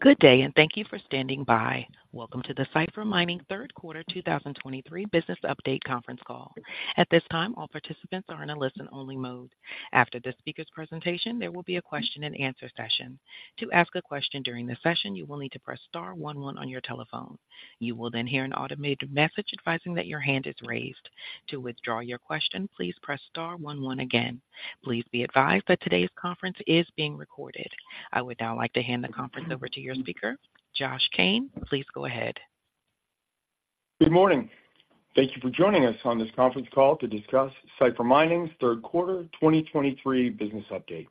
Good day, and thank you for standing by. Welcome to the Cipher Mining third quarter 2023 business update conference call. At this time, all participants are in a listen-only mode. After the speaker's presentation, there will be a question-and-answer session. To ask a question during the session, you will need to press star one one on your telephone. You will then hear an automated message advising that your hand is raised. To withdraw your question, please press star one one again. Please be advised that today's conference is being recorded. I would now like to hand the conference over to your speaker, Josh Kane. Please go ahead. Good morning. Thank you for joining us on this conference call to discuss Cipher Mining's third quarter 2023 business update.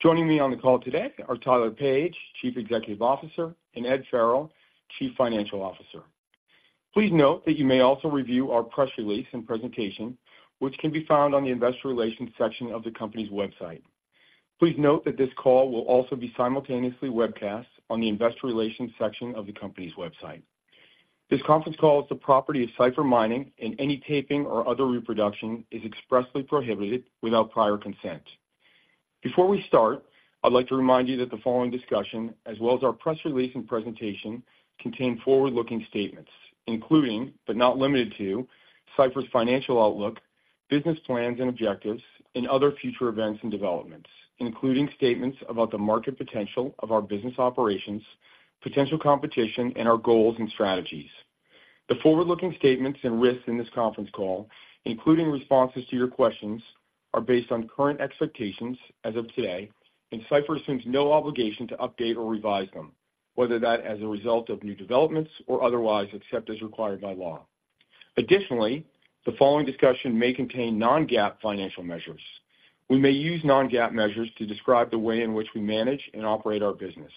Joining me on the call today are Tyler Page, Chief Executive Officer, and Ed Farrell, Chief Financial Officer. Please note that you may also review our press release and presentation, which can be found on the Investor Relations section of the company's website. Please note that this call will also be simultaneously webcast on the investor relations section of the company's website. This conference call is the property of Cipher Mining, and any taping or other reproduction is expressly prohibited without prior consent. Before we start, I'd like to remind you that the following discussion, as well as our press release and presentation, contain forward-looking statements, including, but not limited to, Cipher's financial outlook, business plans and objectives, and other future events and developments, including statements about the market potential of our business operations, potential competition, and our goals and strategies. The forward-looking statements and risks in this conference call, including responses to your questions, are based on current expectations as of today, and Cipher assumes no obligation to update or revise them, whether as a result of new developments or otherwise, except as required by law. Additionally, the following discussion may contain non-GAAP financial measures. We may use non-GAAP measures to describe the way in which we manage and operate our business.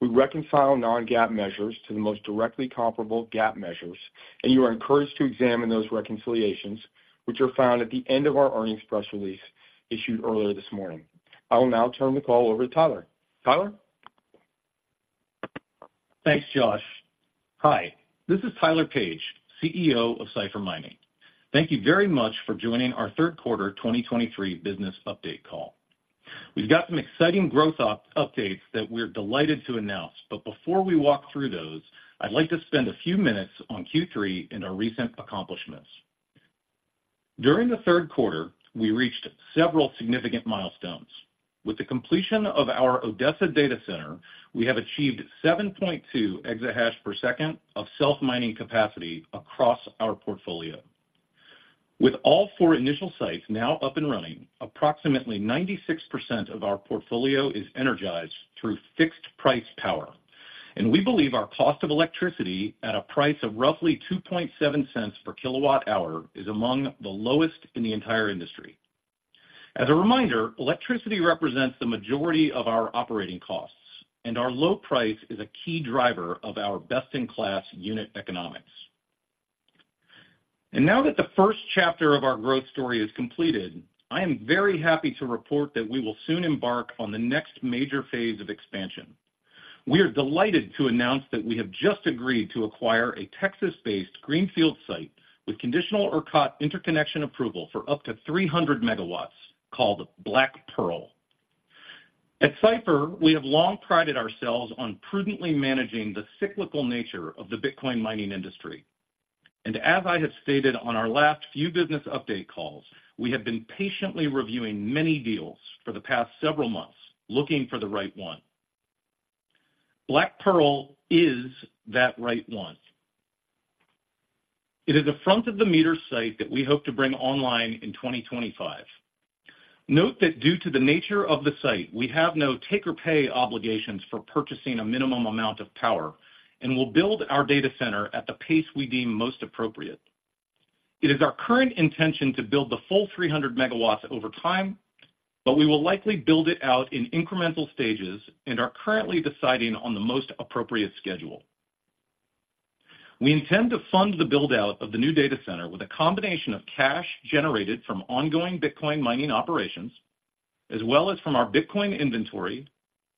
We reconcile non-GAAP measures to the most directly comparable GAAP measures, and you are encouraged to examine those reconciliations, which are found at the end of our earnings press release issued earlier this morning. I will now turn the call over to Tyler. Tyler? Thanks, Josh. Hi, this is Tyler Page, CEO of Cipher Mining. Thank you very much for joining our third quarter 2023 business update call. We've got some exciting growth updates that we're delighted to announce, but before we walk through those, I'd like to spend a few minutes on Q3 and our recent accomplishments. During the third quarter, we reached several significant milestones. With the completion of our Odessa data center, we have achieved 7.2 EH/s of self-mining capacity across our portfolio. With all four initial sites now up and running, approximately 96% of our portfolio is energized through fixed-price power, and we believe our cost of electricity at a price of roughly $0.027 per kWh is among the lowest in the entire industry. As a reminder, electricity represents the majority of our operating costs, and our low price is a key driver of our best-in-class unit economics. Now that the first chapter of our growth story is completed, I am very happy to report that we will soon embark on the next major phase of expansion. We are delighted to announce that we have just agreed to acquire a Texas-based greenfield site with conditional ERCOT interconnection approval for up to 300 MW, called Black Pearl. At Cipher, we have long prided ourselves on prudently managing the cyclical nature of Bitcoin mining industry. As I have stated on our last few business update calls, we have been patiently reviewing many deals for the past several months, looking for the right one. Black Pearl is that right one. It is a front-of-the-meter site that we hope to bring online in 2025. Note that due to the nature of the site, we have no take-or-pay obligations for purchasing a minimum amount of power and will build our data center at the pace we deem most appropriate. It is our current intention to build the full 300 MW over time, but we will likely build it out in incremental stages and are currently deciding on the most appropriate schedule. We intend to fund the build-out of the new data center with a combination of cash generated from Bitcoin mining operations, as well as from our Bitcoin inventory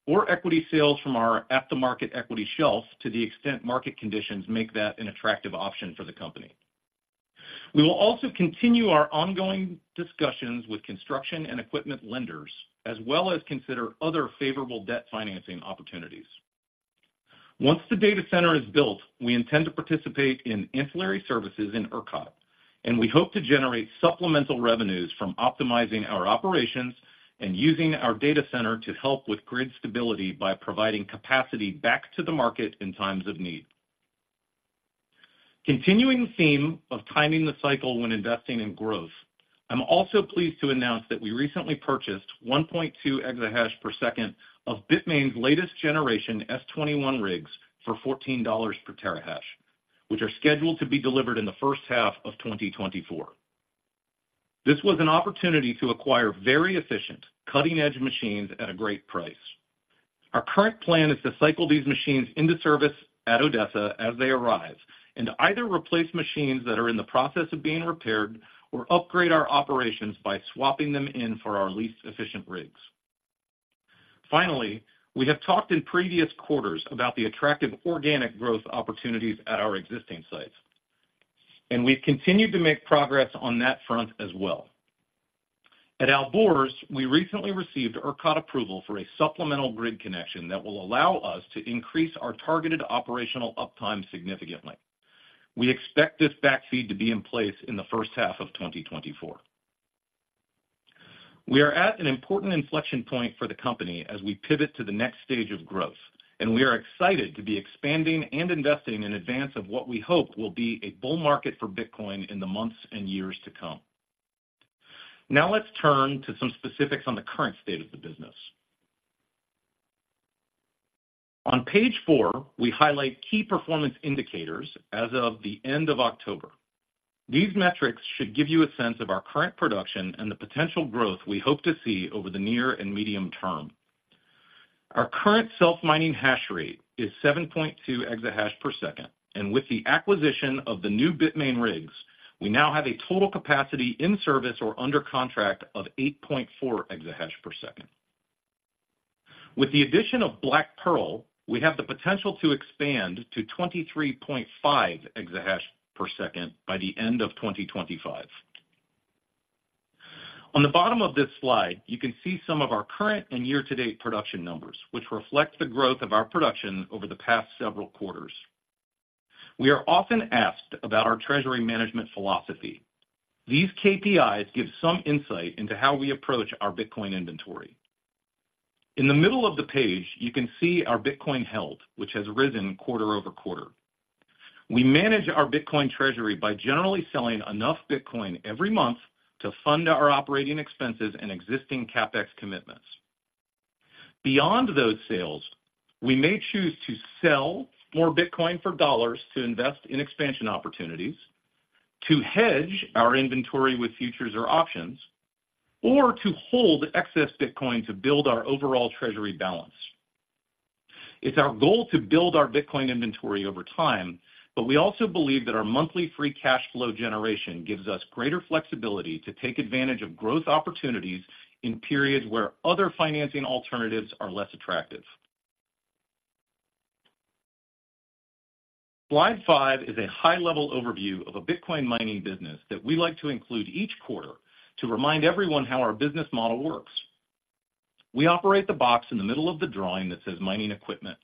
or equity sales from our at-the-market equity shelf, to the extent market conditions make that an attractive option for the company. We will also continue our ongoing discussions with construction and equipment lenders, as well as consider other favorable debt financing opportunities. Once the data center is built, we intend to participate in ancillary services in ERCOT, and we hope to generate supplemental revenues from optimizing our operations and using our data center to help with grid stability by providing capacity back to the market in times of need. Continuing theme of timing the cycle when investing in growth, I'm also pleased to announce that we recently purchased 1.2 EH/s of Bitmain's latest generation S21 rigs for $14 per terahash, which are scheduled to be delivered in the first half of 2024. This was an opportunity to acquire very efficient, cutting-edge machines at a great price. Our current plan is to cycle these machines into service at Odessa as they arrive and either replace machines that are in the process of being repaired or upgrade our operations by swapping them in for our least efficient rigs. Finally, we have talked in previous quarters about the attractive organic growth opportunities at our existing sites, and we've continued to make progress on that front as well. At Alborz, we recently received ERCOT approval for a supplemental grid connection that will allow us to increase our targeted operational uptime significantly. We expect this backfeed to be in place in the first half of 2024. We are at an important inflection point for the company as we pivot to the next stage of growth, and we are excited to be expanding and investing in advance of what we hope will be a bull market for Bitcoin in the months and years to come. Now let's turn to some specifics on the current state of the business. On page 4, we highlight key performance indicators as of the end of October. These metrics should give you a sense of our current production and the potential growth we hope to see over the near and medium term. Our current self-mining hash rate is 7.2 EH/s, and with the acquisition of the new Bitmain rigs, we now have a total capacity in service or under contract of 8.4 EH/s. With the addition of Black Pearl, we have the potential to expand to 23.5 EH/s by the end of 2025. On the bottom of this slide, you can see some of our current and year-to-date production numbers, which reflect the growth of our production over the past several quarters. We are often asked about our treasury management philosophy. These KPIs give some insight into how we approach our Bitcoin inventory. In the middle of the page, you can see our Bitcoin held, which has risen quarter-over-quarter. We manage our Bitcoin treasury by generally selling enough Bitcoin every month to fund our operating expenses and existing CapEx commitments. Beyond those sales, we may choose to sell more Bitcoin for dollars to invest in expansion opportunities, to hedge our inventory with futures or options, or to hold excess Bitcoin to build our overall treasury balance. It's our goal to build our Bitcoin inventory over time, but we also believe that our monthly free cash flow generation gives us greater flexibility to take advantage of growth opportunities in periods where other financing alternatives are less attractive. Slide 5 is a high-level overview of Bitcoin mining business that we like to include each quarter to remind everyone how our business model works. We operate the box in the middle of the drawing that says mining equipment,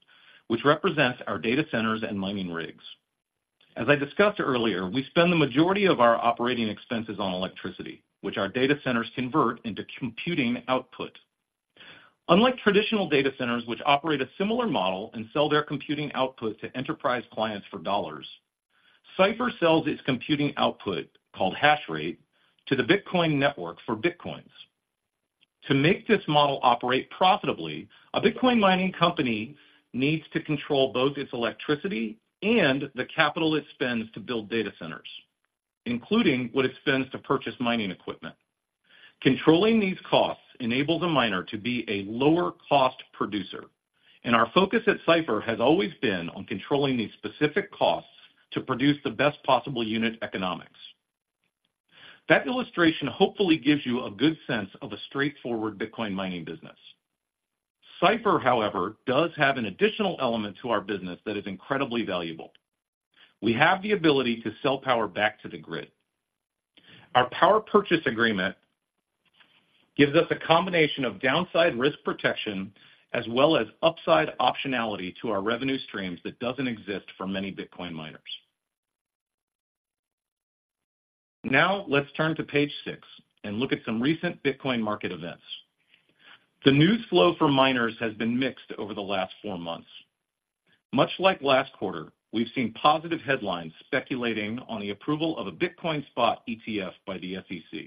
which represents our data centers and mining rigs. As I discussed earlier, we spend the majority of our operating expenses on electricity, which our data centers convert into computing output. Unlike traditional data centers, which operate a similar model and sell their computing output to enterprise clients for dollars, Cipher sells its computing output, called hash rate, to the Bitcoin network for Bitcoins. To make this model operate profitably, Bitcoin mining company needs to control both its electricity and the capital it spends to build data centers, including what it spends to purchase mining equipment. Controlling these costs enables a miner to be a lower-cost producer, and our focus at Cipher has always been on controlling these specific costs to produce the best possible unit economics. That illustration hopefully gives you a good sense of a Bitcoin mining business. Cipher, however, does have an additional element to our business that is incredibly valuable. We have the ability to sell power back to the grid. Our power purchase agreement gives us a combination of downside risk protection as well as upside optionality to our revenue streams that doesn't exist for many Bitcoin miners. Now let's turn to page 6 and look at some recent Bitcoin market events. The news flow for miners has been mixed over the last four months. Much like last quarter, we've seen positive headlines speculating on the approval of a Bitcoin spot ETF by the SEC.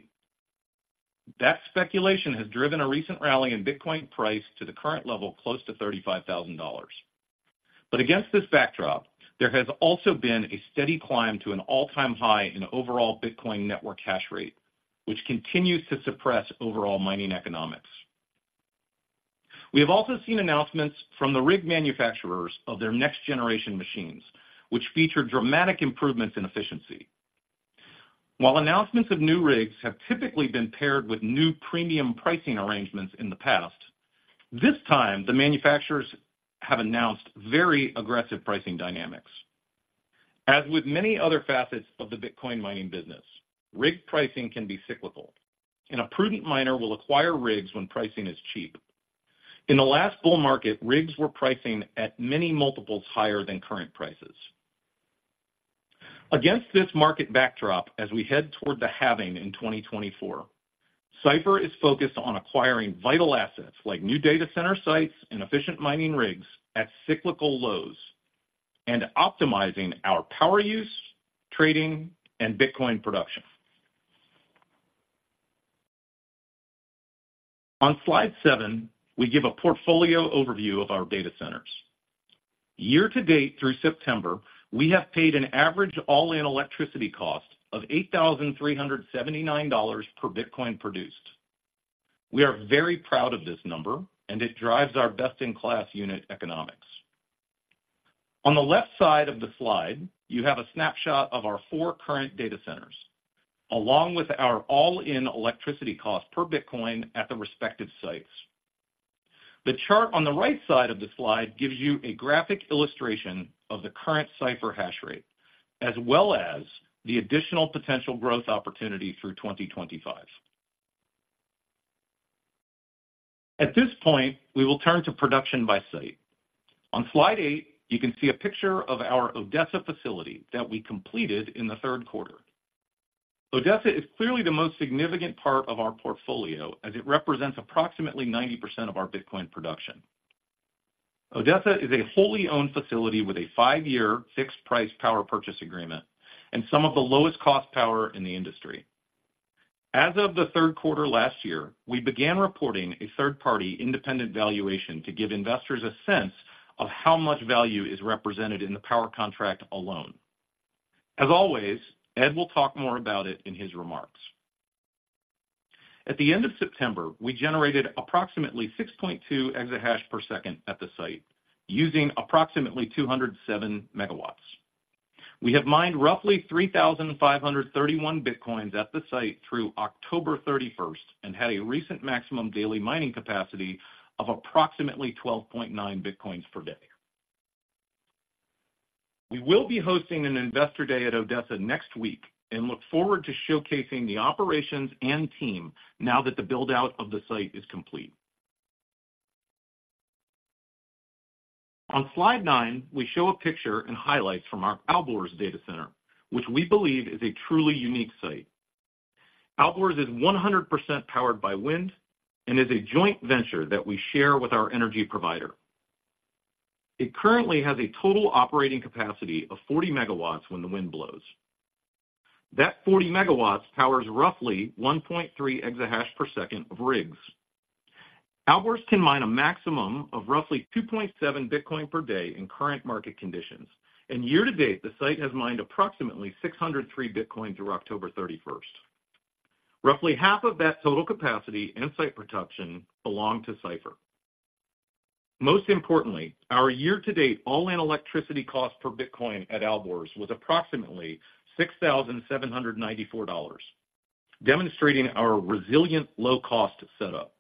That speculation has driven a recent rally in Bitcoin price to the current level, close to $35,000. But against this backdrop, there has also been a steady climb to an all-time high in overall Bitcoin network hash rate, which continues to suppress overall mining economics. We have also seen announcements from the rig manufacturers of their next-generation machines, which feature dramatic improvements in efficiency. While announcements of new rigs have typically been paired with new premium pricing arrangements in the past, this time, the manufacturers have announced very aggressive pricing dynamics. As with many other facets of Bitcoin mining business, rig pricing can be cyclical, and a prudent miner will acquire rigs when pricing is cheap. In the last bull market, rigs were pricing at many multiples higher than current prices. Against this market backdrop, as we head toward the halving in 2024, Cipher is focused on acquiring vital assets like new data center sites and efficient mining rigs at cyclical lows and optimizing our power use, trading, and Bitcoin production. On slide 7, we give a portfolio overview of our data centers. Year to date through September, we have paid an average all-in electricity cost of $8,379 per Bitcoin produced. We are very proud of this number, and it drives our best-in-class unit economics. On the left side of the slide, you have a snapshot of our four current data centers, along with our all-in electricity cost per Bitcoin at the respective sites. The chart on the right side of the slide gives you a graphic illustration of the current Cipher hash rate, as well as the additional potential growth opportunity through 2025. At this point, we will turn to production by site. On slide eight, you can see a picture of our Odessa Facility that we completed in the third quarter. Odessa is clearly the most significant part of our portfolio, as it represents approximately 90% of our Bitcoin production. Odessa is a wholly owned facility with a five-year fixed-price power purchase agreement and some of the lowest-cost power in the industry. As of the third quarter last year, we began reporting a third-party independent valuation to give investors a sense of how much value is represented in the power contract alone. As always, Ed will talk more about it in his remarks. At the end of September, we generated approximately 6.2 EH/s at the site, using approximately 207 MW. We have mined roughly 3,531 bitcoins at the site through October 31st and had a recent maximum daily mining capacity of approximately 12.9 bitcoins per day. We will be hosting an investor day at Odessa next week and look forward to showcasing the operations and team now that the build-out of the site is complete. On slide 9, we show a picture and highlights from our Alborz data center, which we believe is a truly unique site. Alborz is 100% powered by wind and is a joint venture that we share with our energy provider. It currently has a total operating capacity of 40 MW when the wind blows. That 40 MW powers roughly 1.3 EH/s of rigs. Alborz can mine a maximum of roughly 2.7 Bitcoin per day in current market conditions, and year-to-date, the site has mined approximately 603 Bitcoin through October 31st. Roughly half of that total capacity and site production belong to Cipher. Most importantly, our year-to-date all-in electricity cost per bitcoin at Alborz was approximately $6,794, demonstrating our resilient low-cost setup.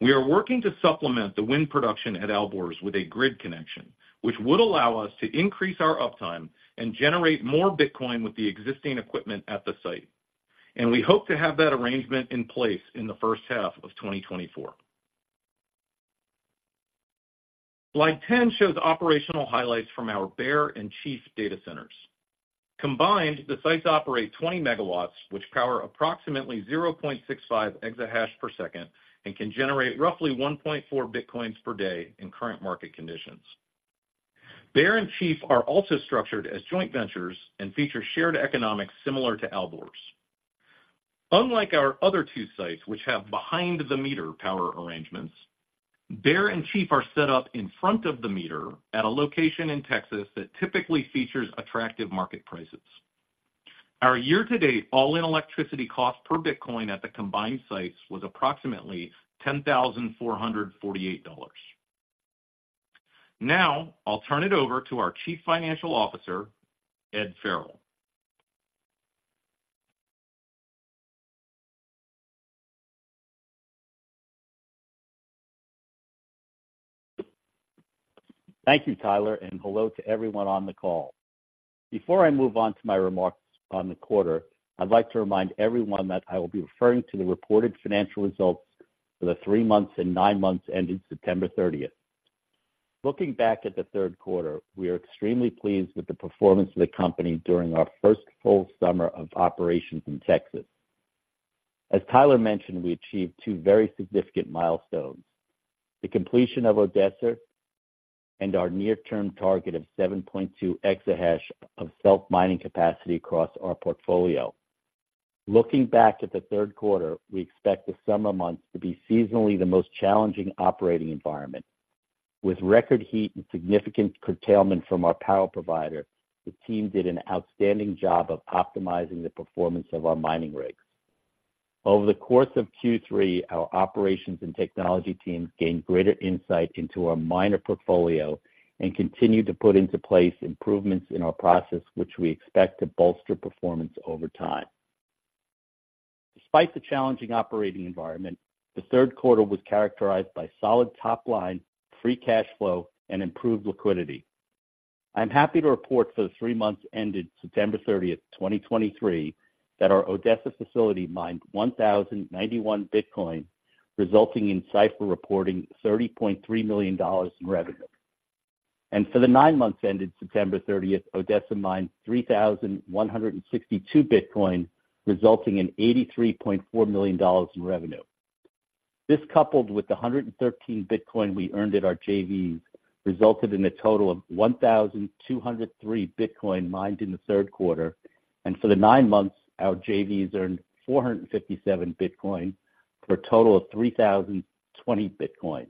We are working to supplement the wind production at Alborz with a grid connection, which would allow us to increase our uptime and generate more Bitcoin with the existing equipment at the site, and we hope to have that arrangement in place in the first half of 2024. Slide 10 shows operational highlights from our Bear and Chief data centers. Combined, the sites operate 20 MW, which power approximately 0.65 EH/s and can generate roughly 1.4 Bitcoins per day in current market conditions. Bear and Chief are also structured as joint ventures and feature shared economics similar to Alborz. Unlike our other two sites, which have behind-the-meter power arrangements, Bear and Chief are set up in front-of-the-meter at a location in Texas that typically features attractive market prices. Our year-to-date all-in electricity cost per bitcoin at the combined sites was approximately $10,448. Now, I'll turn it over to our Chief Financial Officer, Ed Farrell. Thank you, Tyler, and hello to everyone on the call. Before I move on to my remarks on the quarter, I'd like to remind everyone that I will be referring to the reported financial results for the three months and nine months ending September 30th. Looking back at the third quarter, we are extremely pleased with the performance of the company during our first full summer of operations in Texas. As Tyler mentioned, we achieved two very significant milestones: the completion of Odessa and our near-term target of 7.2 EH of self-mining capacity across our portfolio. Looking back at the third quarter, we expect the summer months to be seasonally the most challenging operating environment. With record heat and significant curtailment from our power provider, the team did an outstanding job of optimizing the performance of our mining rigs. Over the course of Q3, our operations and technology teams gained greater insight into our miner portfolio and continued to put into place improvements in our process, which we expect to bolster performance over time. Despite the challenging operating environment, the third quarter was characterized by solid top line, free cash flow, and improved liquidity. I'm happy to report for the three months ended September 30, 2023, that our Odessa Facility mined 1,091 bitcoin, resulting in Cipher reporting $30.3 million in revenue. For the nine months ended September 30, 2023, Odessa mined 3,162 bitcoin, resulting in $83.4 million in revenue. This, coupled with the 130 bitcoin we earned at our JVs, resulted in a total of 1,203 bitcoins mined in the third quarter, and for the nine months, our JVs earned 457 bitcoins, for a total of 3,020 bitcoins.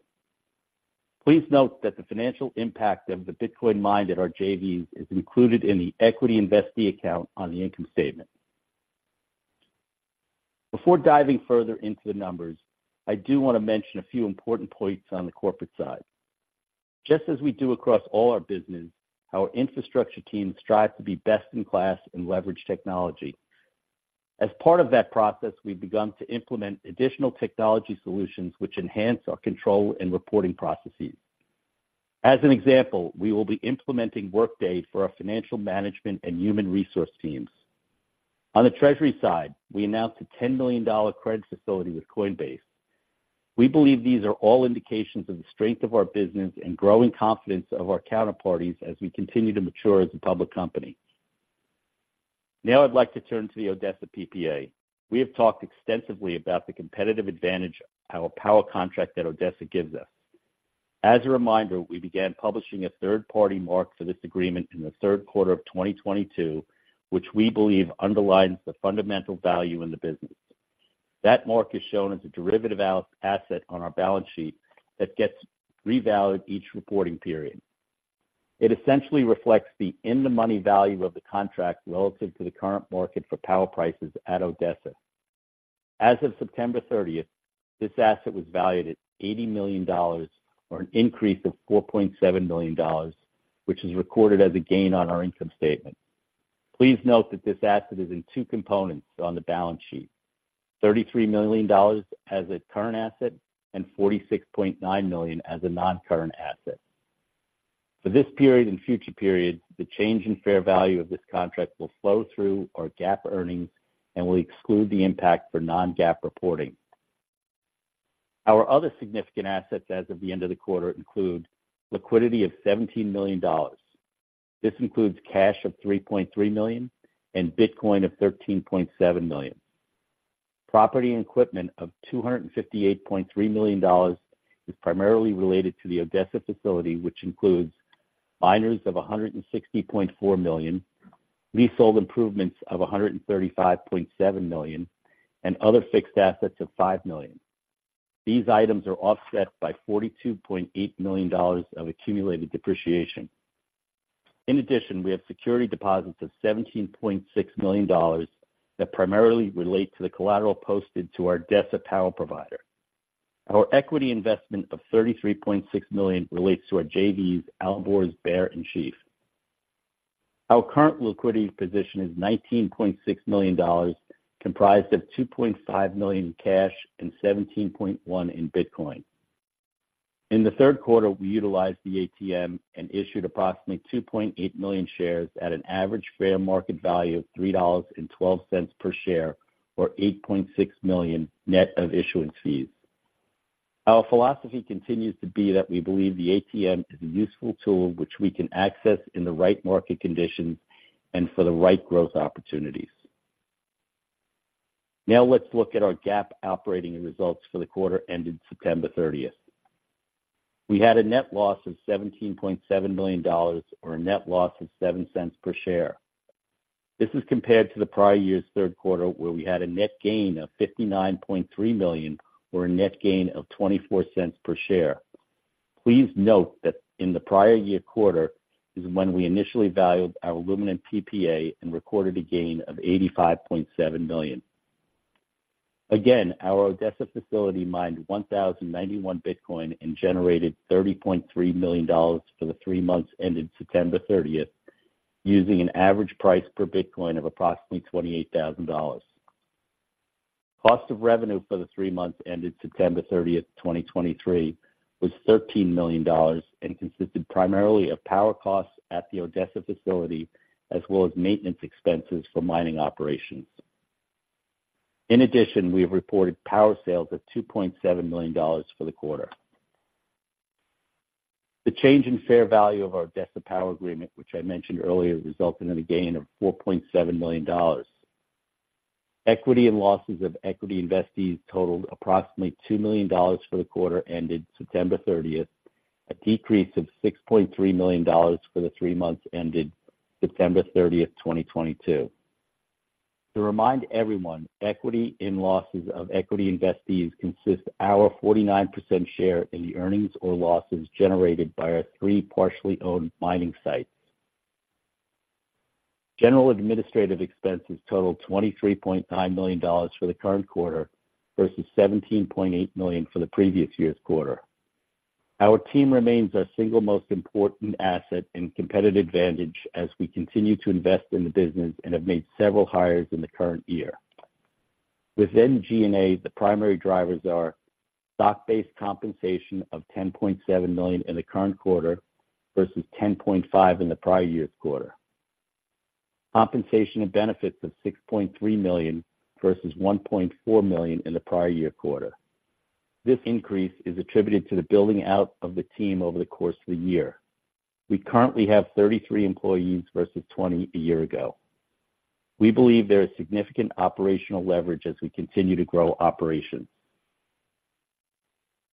Please note that the financial impact of the bitcoin mined at our JVs is included in the equity investee account on the income statement. Before diving further into the numbers, I do want to mention a few important points on the corporate side.... Just as we do across all our business, our infrastructure teams strive to be best in class and leverage technology. As part of that process, we've begun to implement additional technology solutions which enhance our control and reporting processes. As an example, we will be implementing Workday for our financial management and human resource teams. On the treasury side, we announced a $10 million credit facility with Coinbase. We believe these are all indications of the strength of our business and growing confidence of our counterparties as we continue to mature as a public company. Now I'd like to turn to the Odessa PPA. We have talked extensively about the competitive advantage our power contract at Odessa gives us. As a reminder, we began publishing a third-party mark for this agreement in the third quarter of 2022, which we believe underlines the fundamental value in the business. That mark is shown as a derivative asset on our balance sheet that gets revalued each reporting period. It essentially reflects the in-the-money value of the contract relative to the current market for power prices at Odessa. As of September 30th, this asset was valued at $80 million, or an increase of $4.7 million, which is recorded as a gain on our income statement. Please note that this asset is in two components on the balance sheet: $33 million as a current asset and $46.9 million as a non-current asset. For this period and future periods, the change in fair value of this contract will flow through our GAAP earnings and will exclude the impact for non-GAAP reporting. Our other significant assets as of the end of the quarter include liquidity of $17 million. This includes cash of $3.3 million and Bitcoin of $13.7 million. Property and equipment of $258.3 million is primarily related to the Odessa Facility, which includes miners of $160.4 million, leasehold improvements of $135.7 million, and other fixed assets of $5 million. These items are offset by $42.8 million of accumulated depreciation. In addition, we have security deposits of $17.6 million that primarily relate to the collateral posted to our Odessa power provider. Our equity investment of $33.6 million relates to our JVs, Alborz, Bear, and Chief. Our current liquidity position is $19.6 million, comprised of $2.5 million in cash and $17.1 million in Bitcoin. In the third quarter, we utilized the ATM and issued approximately 2.8 million shares at an average fair market value of $3.12 per share, or $8.6 million net of issuance fees. Our philosophy continues to be that we believe the ATM is a useful tool which we can access in the right market conditions and for the right growth opportunities. Now let's look at our GAAP operating results for the quarter ended September 30. We had a net loss of $17.7 million, or a net loss of $0.07 per share. This is compared to the prior year's third quarter, where we had a net gain of $59.3 million, or a net gain of $0.24 per share. Please note that in the prior year quarter is when we initially valued our Luminant PPA and recorded a gain of $85.7 million. Again, our Odessa Facility mined 1,091 bitcoin and generated $30.3 million for the three months ended September 30, using an average price per bitcoin of approximately $28,000. Cost of revenue for the three months ended September 30, 2023, was $13 million and consisted primarily of power costs at the Odessa Facility, as well as maintenance expenses for mining operations. In addition, we have reported power sales of $2.7 million for the quarter. The change in fair value of our Odessa power agreement, which I mentioned earlier, resulted in a gain of $4.7 million. Equity and losses of equity investees totaled approximately $2 million for the quarter ended September 30, a decrease of $6.3 million for the three months ended September 30, 2022. To remind everyone, equity and losses of equity investees consists of our 49% share in the earnings or losses generated by our three partially owned mining sites. General administrative expenses totaled $23.9 million for the current quarter versus $17.8 million for the previous year's quarter. Our team remains our single most important asset and competitive advantage as we continue to invest in the business and have made several hires in the current year. Within G&A, the primary drivers are stock-based compensation of $10.7 million in the current quarter versus $10.5 million in the prior year's quarter. Compensation and benefits of $6.3 million versus $1.4 million in the prior year quarter. This increase is attributed to the building out of the team over the course of the year. We currently have 33 employees versus 20 a year ago. We believe there is significant operational leverage as we continue to grow operations.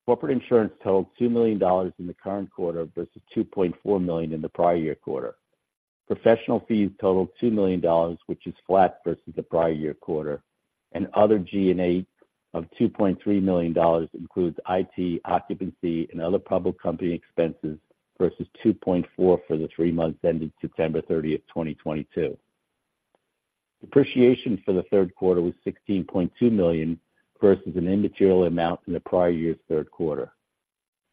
Corporate insurance totaled $2 million in the current quarter versus $2.4 million in the prior year quarter. Professional fees totaled $2 million, which is flat versus the prior year quarter, and other G&A of $2.3 million includes IT, occupancy, and other public company expenses versus $2.4 million for the three months ending September 30, 2022. Depreciation for the third quarter was $16.2 million versus an immaterial amount in the prior year's third quarter.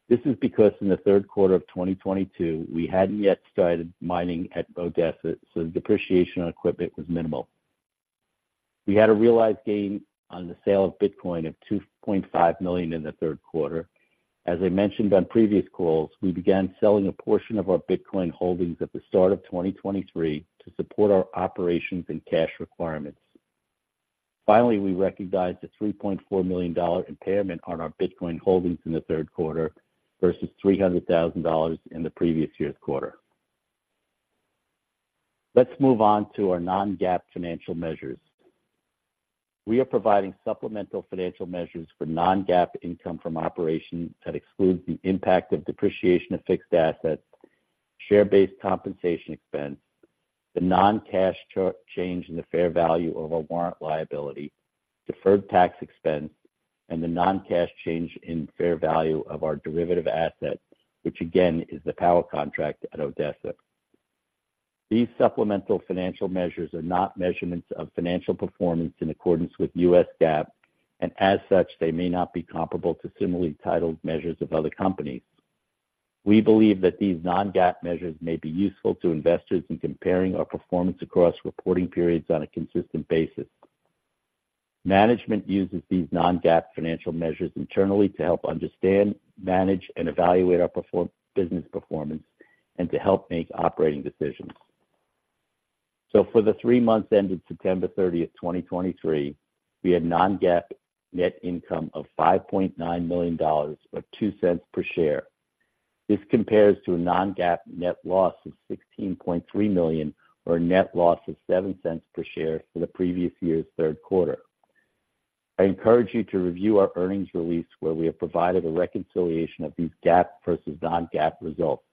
This is because in the third quarter of 2022, we hadn't yet started mining at Odessa, so the depreciation on equipment was minimal. We had a realized gain on the sale of Bitcoin of $2.5 million in the third quarter. As I mentioned on previous calls, we began selling a portion of our Bitcoin holdings at the start of 2023 to support our operations and cash requirements. Finally, we recognized a $3.4 million impairment on our Bitcoin holdings in the third quarter versus $300,000 in the previous year's quarter. Let's move on to our non-GAAP financial measures. We are providing supplemental financial measures for non-GAAP income from operations that excludes the impact of depreciation of fixed assets, share-based compensation expense, the non-cash change in the fair value of our warrant liability, deferred tax expense, and the non-cash change in fair value of our derivative asset, which again, is the power contract at Odessa. These supplemental financial measures are not measurements of financial performance in accordance with U.S. GAAP, and as such, they may not be comparable to similarly titled measures of other companies. We believe that these non-GAAP measures may be useful to investors in comparing our performance across reporting periods on a consistent basis. Management uses these non-GAAP financial measures internally to help understand, manage, and evaluate our business performance and to help make operating decisions. For the three months ended September 30, 2023, we had non-GAAP net income of $5.9 million, or $0.02 per share. This compares to a non-GAAP net loss of $16.3 million, or a net loss of $0.07 per share for the previous year's third quarter. I encourage you to review our earnings release, where we have provided a reconciliation of these GAAP versus non-GAAP results.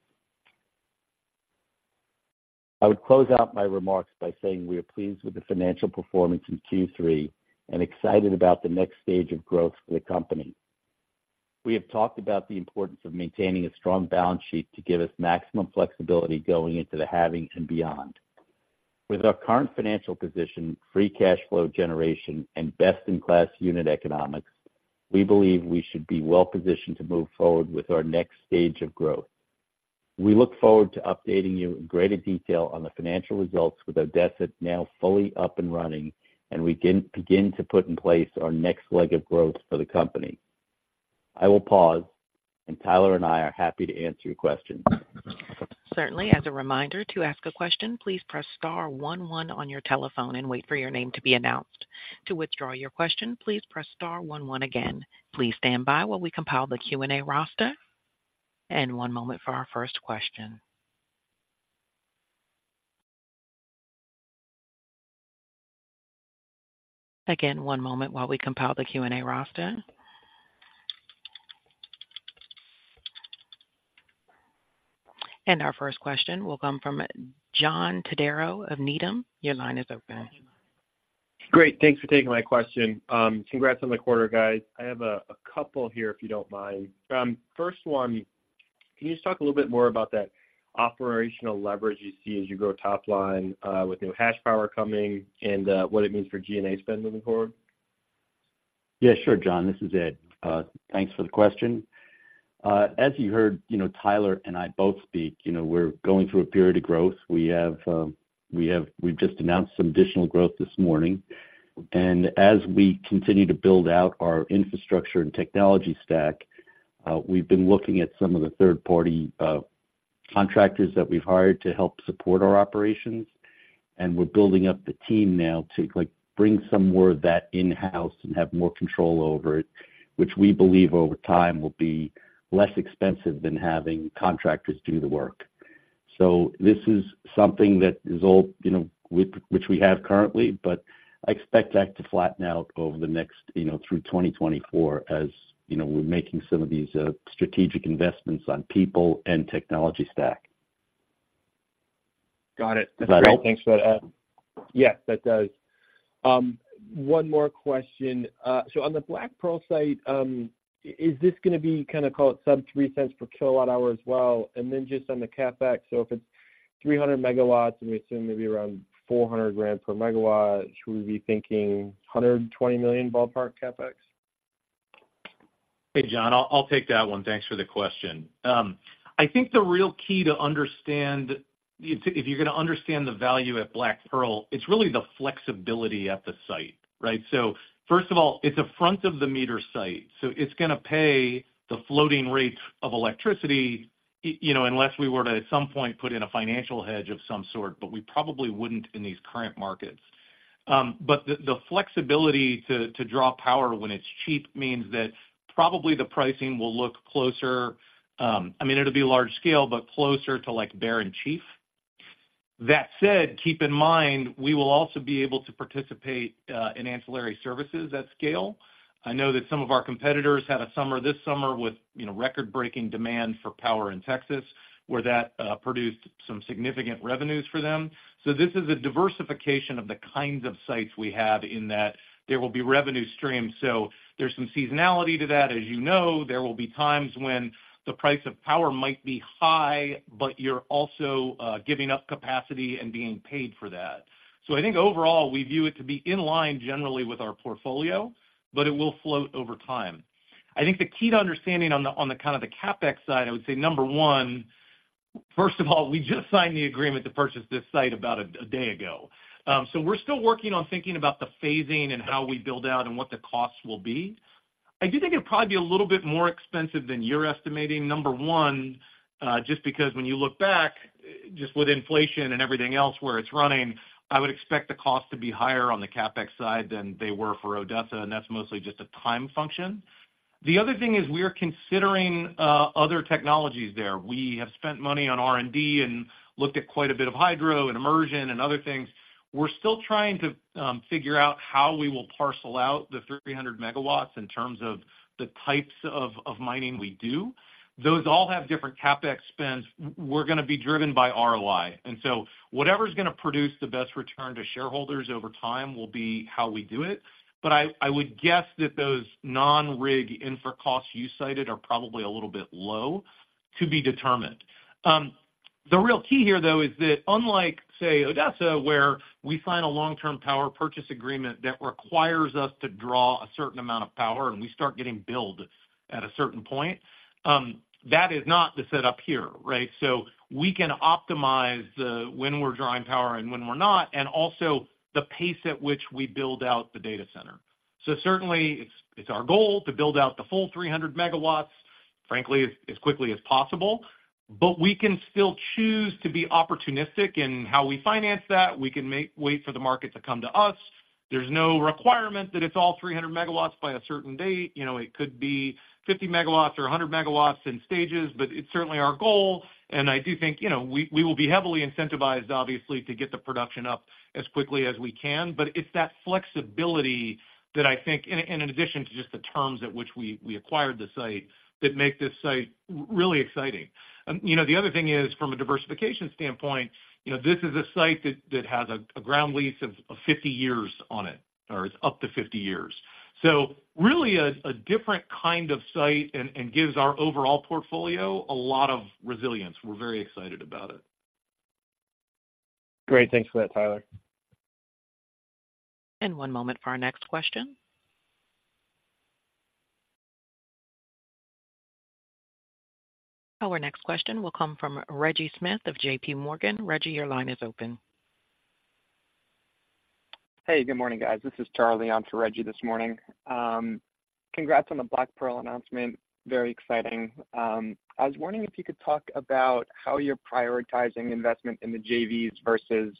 I would close out my remarks by saying we are pleased with the financial performance in Q3 and excited about the next stage of growth for the company. We have talked about the importance of maintaining a strong balance sheet to give us maximum flexibility going into the halving and beyond. With our current financial position, free cash flow generation, and best-in-class unit economics, we believe we should be well positioned to move forward with our next stage of growth. We look forward to updating you in greater detail on the financial results with Odessa now fully up and running, and we begin to put in place our next leg of growth for the company. I will pause, and Tyler and I are happy to answer your questions. Certainly. As a reminder, to ask a question, please press star one one on your telephone and wait for your name to be announced. To withdraw your question, please press star one one again. Please stand by while we compile the Q&A roster. One moment for our first question. Again, one moment while we compile the Q&A roster. Our first question will come from John Todaro of Needham. Your line is open. Great, thanks for taking my question. Congrats on the quarter, guys. I have a couple here, if you don't mind. First one, can you just talk a little bit more about that operational leverage you see as you grow top line with new hash power coming and what it means for G&A spend moving forward? Yeah, sure, John. This is Ed. Thanks for the question. As you heard, you know, Tyler and I both speak, you know, we're going through a period of growth. We've just announced some additional growth this morning, and as we continue to build out our infrastructure and technology stack, we've been looking at some of the third-party contractors that we've hired to help support our operations. And we're building up the team now to, like, bring some more of that in-house and have more control over it, which we believe over time will be less expensive than having contractors do the work. This is something that is all, you know, with which we have currently, but I expect that to flatten out over the next, you know, through 2024, as, you know, we're making some of these strategic investments on people and technology stack. Got it. Got it? That's great. Thanks for that. Yes, that does. One more question. So on the Black Pearl site, is this gonna be kind of, call it sub $0.03 cents per kWh as well? And then just on the CapEx, so if it's 300 MW, and we assume maybe around $400,000 per MW, should we be thinking $120 million ballpark CapEx? Hey, John, I'll take that one. Thanks for the question. I think the real key to understand, if you're gonna understand the value at Black Pearl, it's really the flexibility at the site, right? So first of all, it's a front-of-the-meter site, so it's gonna pay the floating rates of electricity, you know, unless we were to, at some point, put in a financial hedge of some sort, but we probably wouldn't in these current markets. But the flexibility to draw power when it's cheap means that probably the pricing will look closer, I mean, it'll be large scale, but closer to, like, Bear and Chief. That said, keep in mind, we will also be able to participate in ancillary services at scale. I know that some of our competitors had a summer this summer with, you know, record-breaking demand for power in Texas, where that produced some significant revenues for them. So this is a diversification of the kinds of sites we have in that there will be revenue streams, so there's some seasonality to that. As you know, there will be times when the price of power might be high, but you're also giving up capacity and being paid for that. So I think overall, we view it to be in line generally with our portfolio, but it will float over time. I think the key to understanding on the, on the kind of the CapEx side, I would say first of all, we just signed the agreement to purchase this site about a day ago. So we're still working on thinking about the phasing and how we build out and what the costs will be. I do think it'd probably be a little bit more expensive than you're estimating. Number one, just because when you look back, just with inflation and everything else where it's running, I would expect the cost to be higher on the CapEx side than they were for Odessa, and that's mostly just a time function. The other thing is we are considering other technologies there. We have spent money on R&D and looked at quite a bit of hydro and immersion and other things. We're still trying to figure out how we will parcel out the 300 MW in terms of the types of, of mining we do. Those all have different CapEx spends. We're gonna be driven by ROI, and so whatever's gonna produce the best return to shareholders over time will be how we do it. But I, I would guess that those non-rig infra costs you cited are probably a little bit low, to be determined. The real key here, though, is that unlike, say, Odessa, where we sign a long-term power purchase agreement that requires us to draw a certain amount of power, and we start getting billed at a certain point, that is not the setup here, right? So we can optimize, when we're drawing power and when we're not, and also the pace at which we build out the data center. So certainly, it's our goal to build out the full 300 MW, frankly, as quickly as possible. But we can still choose to be opportunistic in how we finance that. We can wait for the market to come to us. There's no requirement that it's all 300 MW by a certain date. You know, it could be 50 MW or 100 MW in stages, but it's certainly our goal, and I do think, you know, we will be heavily incentivized, obviously, to get the production up as quickly as we can. But it's that flexibility that I think, and in addition to just the terms at which we acquired the site, that make this site really exciting. You know, the other thing is, from a diversification standpoint, you know, this is a site that has a ground lease of 50 years on it, or it's up to 50 years. So really a different kind of site and gives our overall portfolio a lot of resilience. We're very excited about it. Great. Thanks for that, Tyler. One moment for our next question. Our next question will come from Reggie Smith of J.P. Morgan. Reggie, your line is open. Hey, good morning, guys. This is Charlie on for Reggie this morning. Congrats on the Black Pearl announcement. Very exciting. I was wondering if you could talk about how you're prioritizing investment in the JVs versus,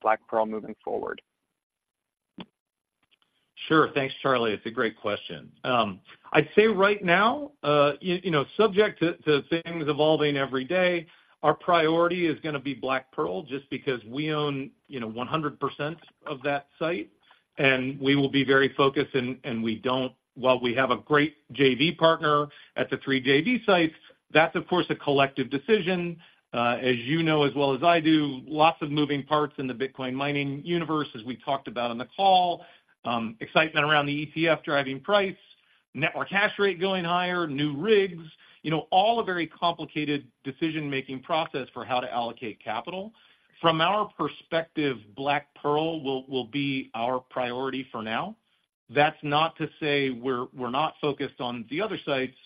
Black Pearl moving forward. Sure. Thanks, Charlie. It's a great question. I'd say right now, you know, subject to things evolving every day, our priority is gonna be Black Pearl, just because we own, you know, 100% of that site, and we will be very focused, and we don't— While we have a great JV partner at the three JV sites, that's, of course, a collective decision. As you know as well as I do, lots of moving parts in Bitcoin mining universe, as we talked about on the call. Excitement around the ETF driving price, network hash rate going higher, new rigs, you know, all a very complicated decision-making process for how to allocate capital. From our perspective, Black Pearl will be our priority for now. That's not to say we're, we're not focused on the other sites,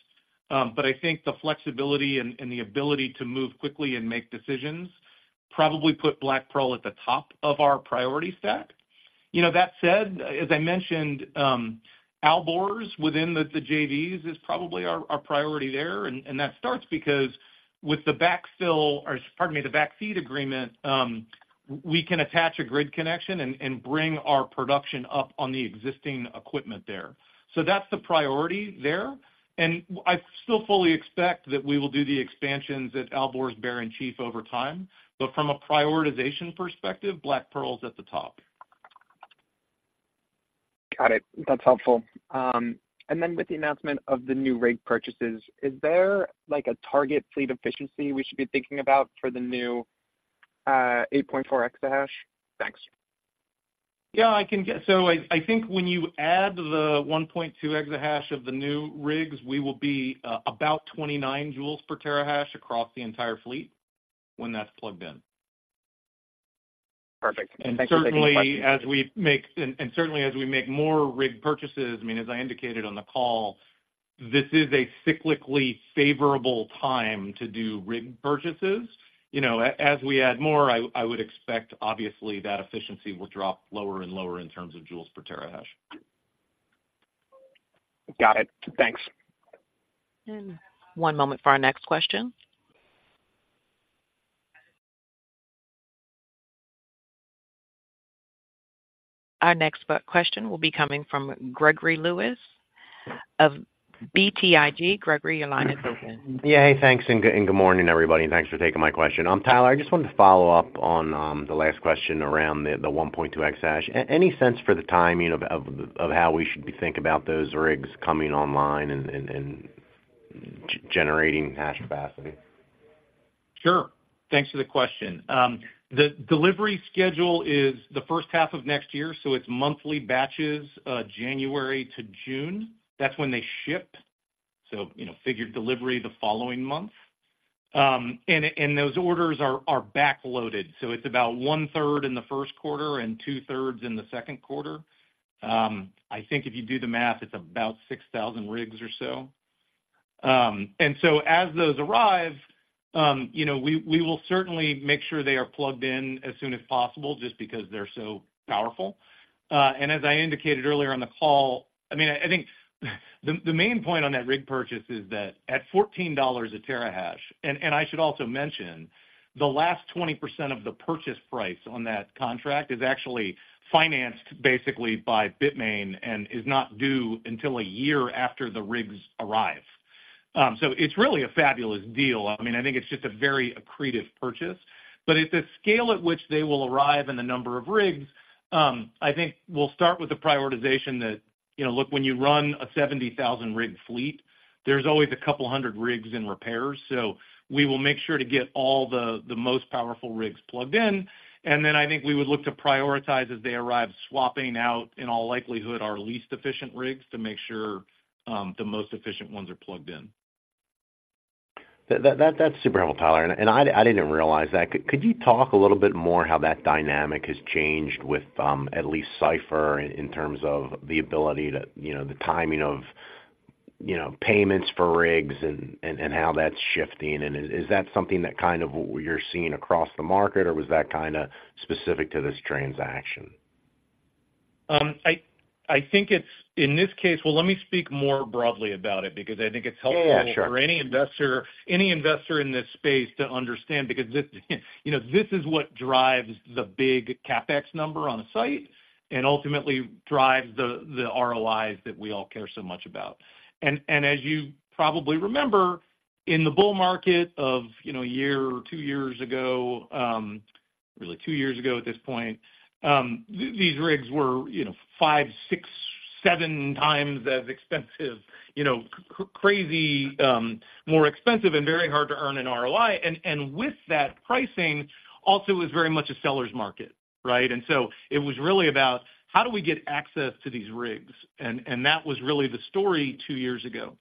but I think the flexibility and, and the ability to move quickly and make decisions probably put Black Pearl at the top of our priority stack. You know, that said, as I mentioned, Alborz within the, the JVs is probably our, our priority there, and, and that starts because with the backfill, or pardon me, the backfeed agreement, we can attach a grid connection and, and bring our production up on the existing equipment there. So that's the priority there, and I still fully expect that we will do the expansions at Alborz, Bear, and Chief over time. But from a prioritization perspective, Black Pearl's at the top. Got it. That's helpful. And then with the announcement of the new rig purchases, is there, like, a target fleet efficiency we should be thinking about for the new 8.4 EH? Thanks. Yeah, so I think when you add the 1.2 EH of the new rigs, we will be about 29 joules per terahash across the entire fleet when that's plugged in. Perfect. And certainly, as we make more rig purchases, I mean, as I indicated on the call, this is a cyclically favorable time to do rig purchases. You know, as we add more, I would expect, obviously, that efficiency will drop lower and lower in terms of joules per terahash. Got it. Thanks. One moment for our next question. Our next question will be coming from Gregory Lewis of BTIG. Gregory, your line is open. Yeah. Hey, thanks, and good morning, everybody, and thanks for taking my question. Tyler, I just wanted to follow up on the last question around the 1.2 EH. Any sense for the timing of how we should be think about those rigs coming online and generating hash capacity? Sure. Thanks for the question. The delivery schedule is the first half of next year, so it's monthly batches, January to June. That's when they ship, so, you know, figure delivery the following month. And those orders are backloaded, so it's about one third in the first quarter and two thirds in the second quarter. I think if you do the math, it's about 6,000 rigs or so. And so as those arrive, you know, we will certainly make sure they are plugged in as soon as possible just because they're so powerful. And as I indicated earlier on the call, I mean, I think the main point on that rig purchase is that at $14 a terahash, and I should also mention, the last 20% of the purchase price on that contract is actually financed basically by Bitmain and is not due until a year after the rigs arrive. So it's really a fabulous deal. I mean, I think it's just a very accretive purchase, but at the scale at which they will arrive and the number of rigs, I think we'll start with the prioritization that, you know, look, when you run a 70,000-rig fleet, there's always a couple hundred rigs in repairs. We will make sure to get all the most powerful rigs plugged in, and then I think we would look to prioritize as they arrive, swapping out, in all likelihood, our least efficient rigs to make sure the most efficient ones are plugged in. That's super helpful, Tyler, and I didn't realize that. Could you talk a little bit more how that dynamic has changed with at least Cipher in terms of the ability to, you know, the timing of, you know, payments for rigs and how that's shifting? And is that something that kind of what you're seeing across the market, or was that kinda specific to this transaction? I think it's in this case... Well, let me speak more broadly about it because I think it's helpful. Yeah, sure. For any investor, any investor in this space to understand, because this, you know, this is what drives the big CapEx number on a site and ultimately drives the ROIs that we all care so much about. And as you probably remember, in the bull market of, you know, a year or two years ago, really two years ago at this point, these rigs were, you know, five, six, seven times as expensive, you know, crazy, more expensive and very hard to earn an ROI. And with that pricing, also was very much a seller's market, right? And so it was really about, how do we get access to these rigs? And that was really the story two years ago.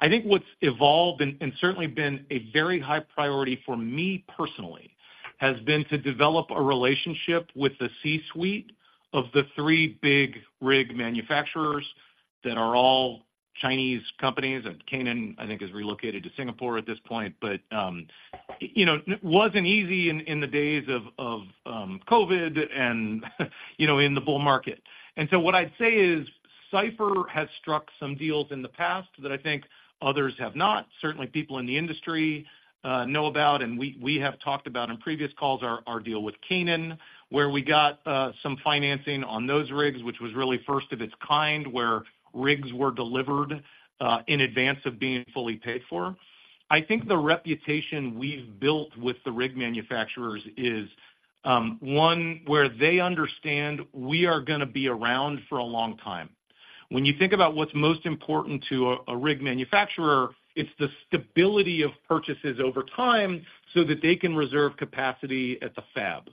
I think what's evolved and certainly been a very high priority for me personally, has been to develop a relationship with the C-suite of the three big rig manufacturers that are all Chinese companies, and Canaan, I think, is relocated to Singapore at this point. But, you know, it wasn't easy in the days of COVID and, you know, in the bull market. And so what I'd say is, Cipher has struck some deals in the past that I think others have not. Certainly, people in the industry know about, and we have talked about in previous calls, our deal with Canaan, where we got some financing on those rigs, which was really first of its kind, where rigs were delivered in advance of being fully paid for. I think the reputation we've built with the rig manufacturers is one where they understand we are gonna be around for a long time. When you think about what's most important to a rig manufacturer, it's the stability of purchases over time so that they can reserve capacity at the fab.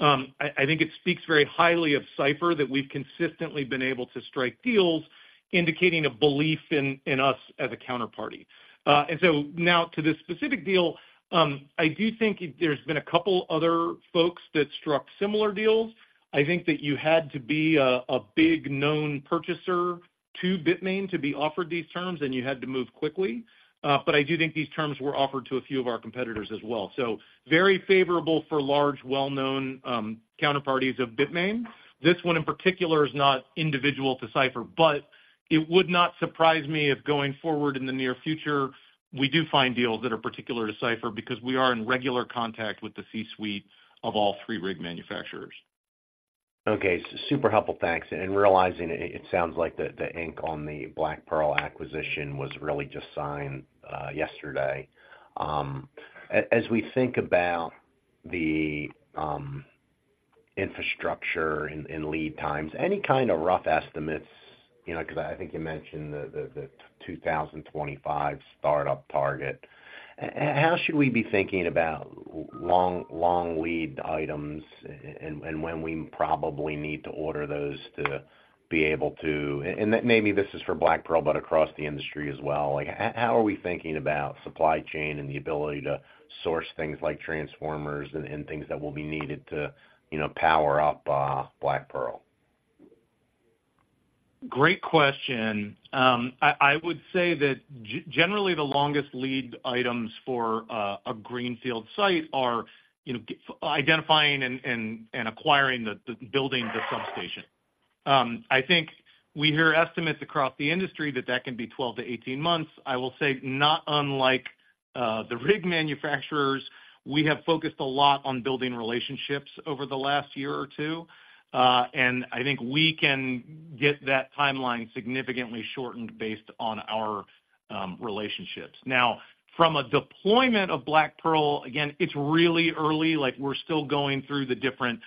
I think it speaks very highly of Cipher that we've consistently been able to strike deals indicating a belief in us as a counterparty. And so now to this specific deal, I do think there's been a couple other folks that struck similar deals. I think that you had to be a big known purchaser to Bitmain to be offered these terms, and you had to move quickly. But I do think these terms were offered to a few of our competitors as well. Very favorable for large, well-known, counterparties of Bitmain. This one, in particular, is not individual to Cipher, but it would not surprise me if going forward in the near future, we do find deals that are particular to Cipher because we are in regular contact with the C-suite of all three rig manufacturers. Okay, super helpful. Thanks. And realizing it, it sounds like the ink on the Black Pearl acquisition was really just signed yesterday. As we think about the infrastructure and lead times, any kind of rough estimates, you know, because I think you mentioned the 2025 startup target. How should we be thinking about long lead items and when we probably need to order those to be able to, and maybe this is for Black Pearl, but across the industry as well, like how are we thinking about supply chain and the ability to source things like transformers and things that will be needed to, you know, power up Black Pearl? Great question. I would say that generally, the longest lead items for a greenfield site are, you know, identifying and acquiring the building, the substation. I think we hear estimates across the industry that that can be 12-18 months. I will say, not unlike the rig manufacturers, we have focused a lot on building relationships over the last year or two, and I think we can get that timeline significantly shortened based on our relationships. Now, from a deployment of Black Pearl, again, it's really early, like, we're still going through the different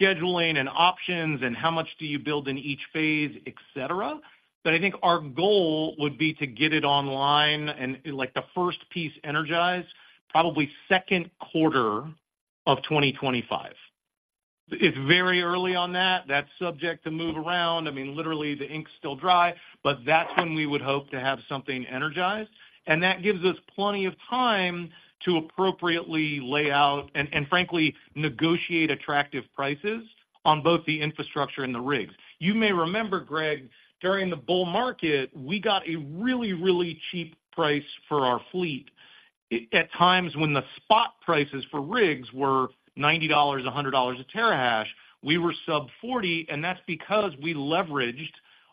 scheduling and options and how much do you build in each phase, et cetera. But I think our goal would be to get it online and, like, the first piece energized, probably second quarter of 2025. It's very early on that. That's subject to move around. I mean, literally, the ink's still dry, but that's when we would hope to have something energized, and that gives us plenty of time to appropriately lay out and, and frankly, negotiate attractive prices on both the infrastructure and the rigs. You may remember, Greg, during the bull market, we got a really, really cheap price for our fleet. At times when the spot prices for rigs were $90, $100 a terahash, we were sub-$40, and that's because we leveraged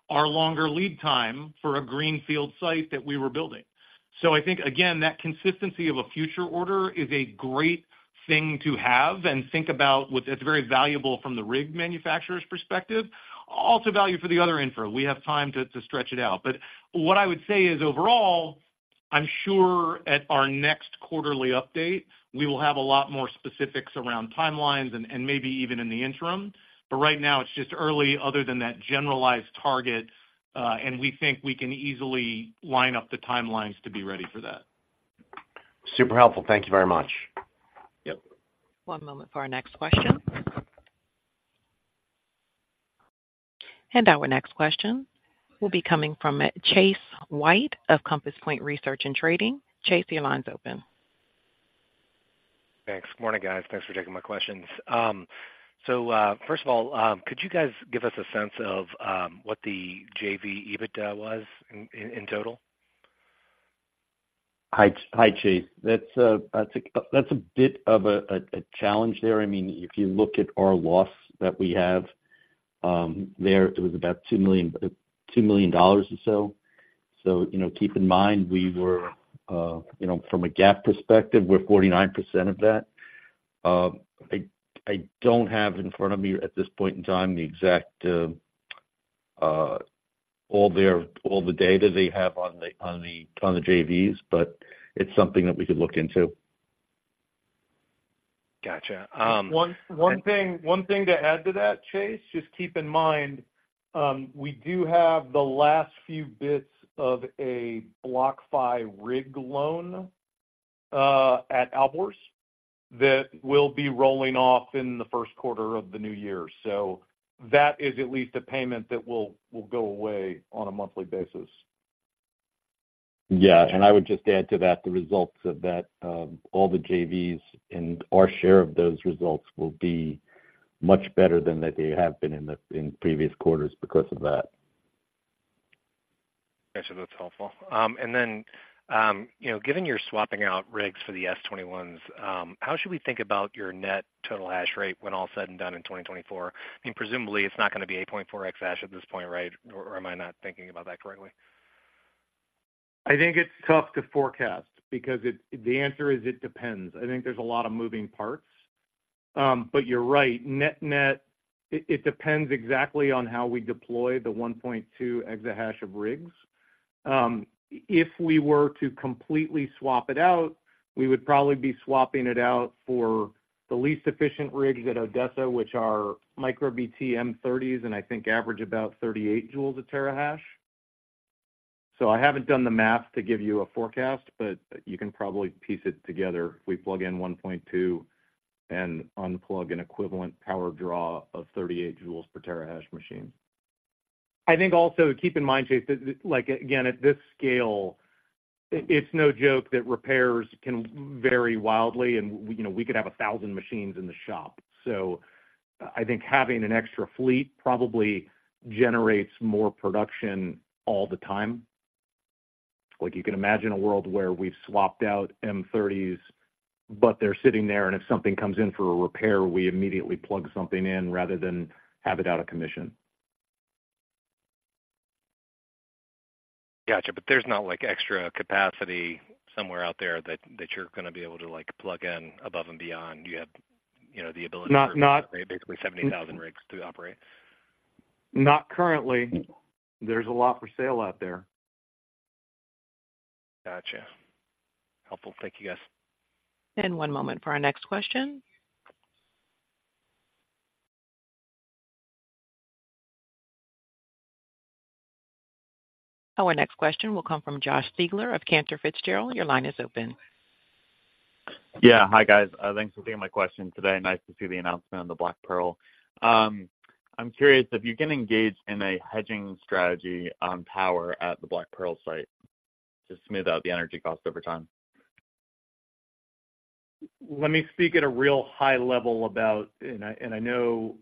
our longer lead time for a greenfield site that we were building. So I think, again, that consistency of a future order is a great thing to have and think about, with—it's very valuable from the rig manufacturer's perspective. Also value for the other infra. We have time to, to stretch it out. What I would say is, overall, I'm sure at our next quarterly update, we will have a lot more specifics around timelines and maybe even in the interim. But right now, it's just early other than that generalized target, and we think we can easily line up the timelines to be ready for that. Super helpful. Thank you very much. Yep. One moment for our next question. Our next question will be coming from Chase White of Compass Point Research and Trading. Chase, your line's open. Thanks. Morning, guys. Thanks for taking my questions. So, first of all, could you guys give us a sense of what the JV EBITDA was in total? Hi, Chase. That's a bit of a challenge there. I mean, if you look at our loss that we have there, it was about $2 million or so. So, you know, keep in mind, we were, you know, from a GAAP perspective, we're 49% of that. I don't have in front of me at this point in time the exact all the data they have on the JVs, but it's something that we could look into. Gotcha, um- One thing to add to that, Chase, just keep in mind, we do have the last few bits of a BlockFi rig loan at Alborz that will be rolling off in the first quarter of the new year. So that is at least a payment that will go away on a monthly basis. Yeah, and I would just add to that, the results of that, all the JVs and our share of those results will be much better than they have been in previous quarters because of that. Gotcha. That's helpful. And then, you know, given you're swapping out rigs for the S21s, how should we think about your net total hash rate when all said and done in 2024? I mean, presumably, it's not going to be 8.4 EH at this point, right? Or am I not thinking about that correctly? I think it's tough to forecast because it, the answer is, it depends. I think there's a lot of moving parts. But you're right. Net-net, it, it depends exactly on how we deploy the 1.2 exahash of rigs. If we were to completely swap it out, we would probably be swapping it out for the least efficient rigs at Odessa, which are MicroBT M30s, and I think average about 38 joules a terahash. I haven't done the math to give you a forecast, but you can probably piece it together. We plug in 1.2 and unplug an equivalent power draw of 38 joules per terahash machine. I think also keep in mind, Chase, that, like, again, at this scale, it's no joke that repairs can vary wildly and, you know, we could have 1,000 machines in the shop. So I think having an extra fleet probably generates more production all the time. Like, you can imagine a world where we've swapped out M30s, but they're sitting there, and if something comes in for a repair, we immediately plug something in rather than have it out of commission. Gotcha, but there's not, like, extra capacity somewhere out there that you're going to be able to, like, plug in above and beyond. You have, you know, the ability- Not, not- Basically 70,000 rigs to operate. Not currently. There's a lot for sale out there. Gotcha. Helpful. Thank you, guys. One moment for our next question. Our next question will come from Josh Siegler of Cantor Fitzgerald. Your line is open. Yeah. Hi, guys. Thanks for taking my question today. Nice to see the announcement on the Black Pearl. I'm curious if you can engage in a hedging strategy on power at the Black Pearl site to smooth out the energy costs over time? Let me speak at a real high level about... And I know,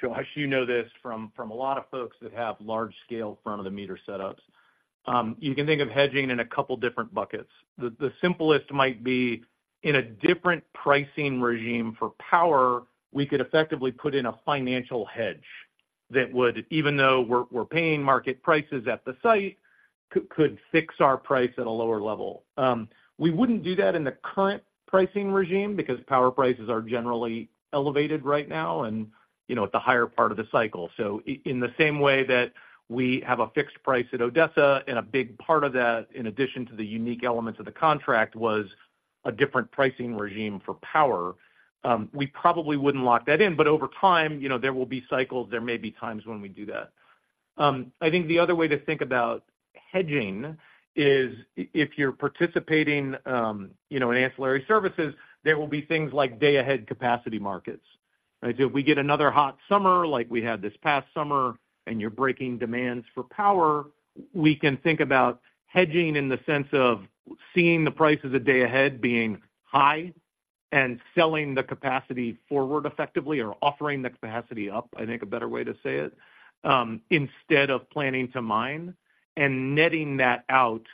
Josh, you know this from a lot of folks that have large-scale front-of-the-meter setups. You can think of hedging in a couple different buckets. The simplest might be in a different pricing regime for power; we could effectively put in a financial hedge that would, even though we're paying market prices at the site, could fix our price at a lower level. We wouldn't do that in the current pricing regime because power prices are generally elevated right now and, you know, at the higher part of the cycle. So in the same way that we have a fixed price at Odessa, and a big part of that, in addition to the unique elements of the contract, was a different pricing regime for power. We probably wouldn't lock that in, but over time, you know, there will be cycles, there may be times when we do that. I think the other way to think about hedging is if you're participating, you know, in ancillary services, there will be things like day-ahead capacity markets, right? So if we get another hot summer like we had this past summer, and you're breaking demands for power, we can think about hedging in the sense of seeing the prices a day ahead being high and selling the capacity forward effectively or offering the capacity up, I think, a better way to say it, instead of planning to mine and netting that out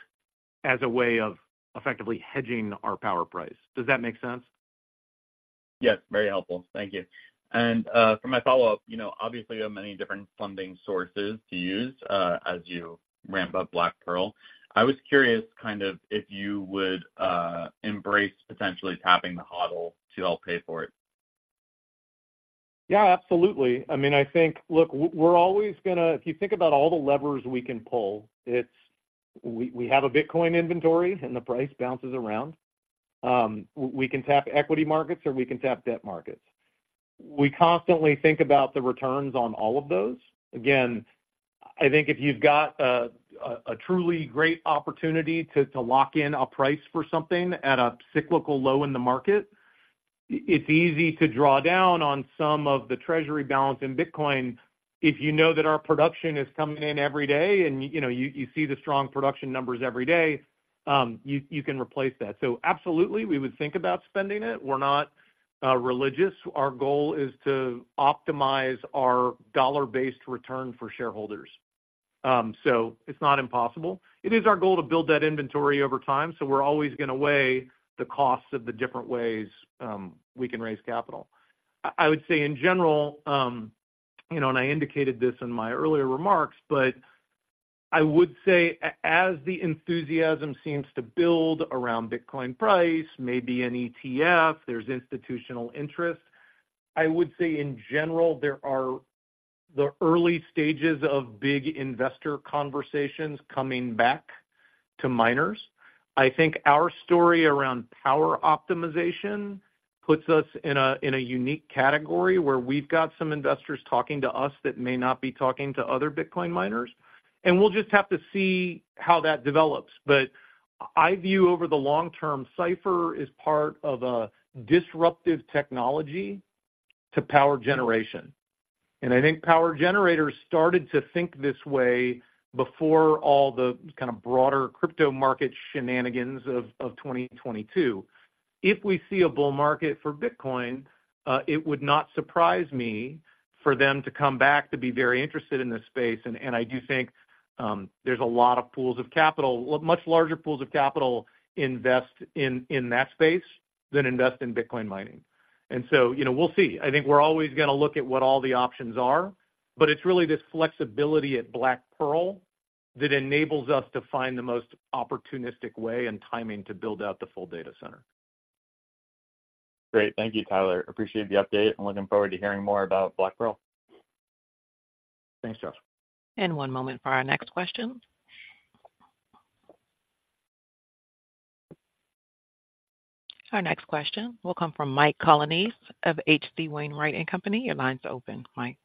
as a way of effectively hedging our power price. Does that make sense? Yes, very helpful. Thank you. And, for my follow-up, you know, obviously, you have many different funding sources to use, as you ramp up Black Pearl. I was curious, kind of, if you would embrace potentially tapping the HODL to help pay for it. Yeah, absolutely. I mean, I think, look, we're always gonna, if you think about all the levers we can pull, it's, we have a Bitcoin inventory, and the price bounces around. We can tap equity markets or we can tap debt markets. We constantly think about the returns on all of those. Again, I think if you've got a truly great opportunity to lock in a price for something at a cyclical low in the market, it's easy to draw down on some of the treasury balance in Bitcoin. If you know that our production is coming in every day and, you know, you see the strong production numbers every day, you can replace that. So absolutely, we would think about spending it. We're not religious. Our goal is to optimize our dollar-based return for shareholders. So it's not impossible. It is our goal to build that inventory over time, so we're always going to weigh the costs of the different ways we can raise capital. I would say in general, you know, and I indicated this in my earlier remarks, but I would say as the enthusiasm seems to build around Bitcoin price, maybe an ETF, there's institutional interest. I would say in general, there are the early stages of big investor conversations coming back to miners. I think our story around power optimization puts us in a unique category, where we've got some investors talking to us that may not be talking to other Bitcoin miners, and we'll just have to see how that develops. But I view over the long term, Cipher is part of a disruptive technology to power generation. I think power generators started to think this way before all the kind of broader crypto market shenanigans of 2022. If we see a bull market for Bitcoin, it would not surprise me for them to come back to be very interested in this space. And I do think there's a lot of pools of capital, well, much larger pools of capital invest in that space than invest Bitcoin mining. and so, you know, we'll see. I think we're always going to look at what all the options are, but it's really this flexibility at Black Pearl that enables us to find the most opportunistic way and timing to build out the full data center. Great. Thank you, Tyler. Appreciate the update, and looking forward to hearing more about Black Pearl. Thanks, Josh. One moment for our next question. Our next question will come from Mike Colonnese of H.C. Wainwright & Company. Your line's open, Mike.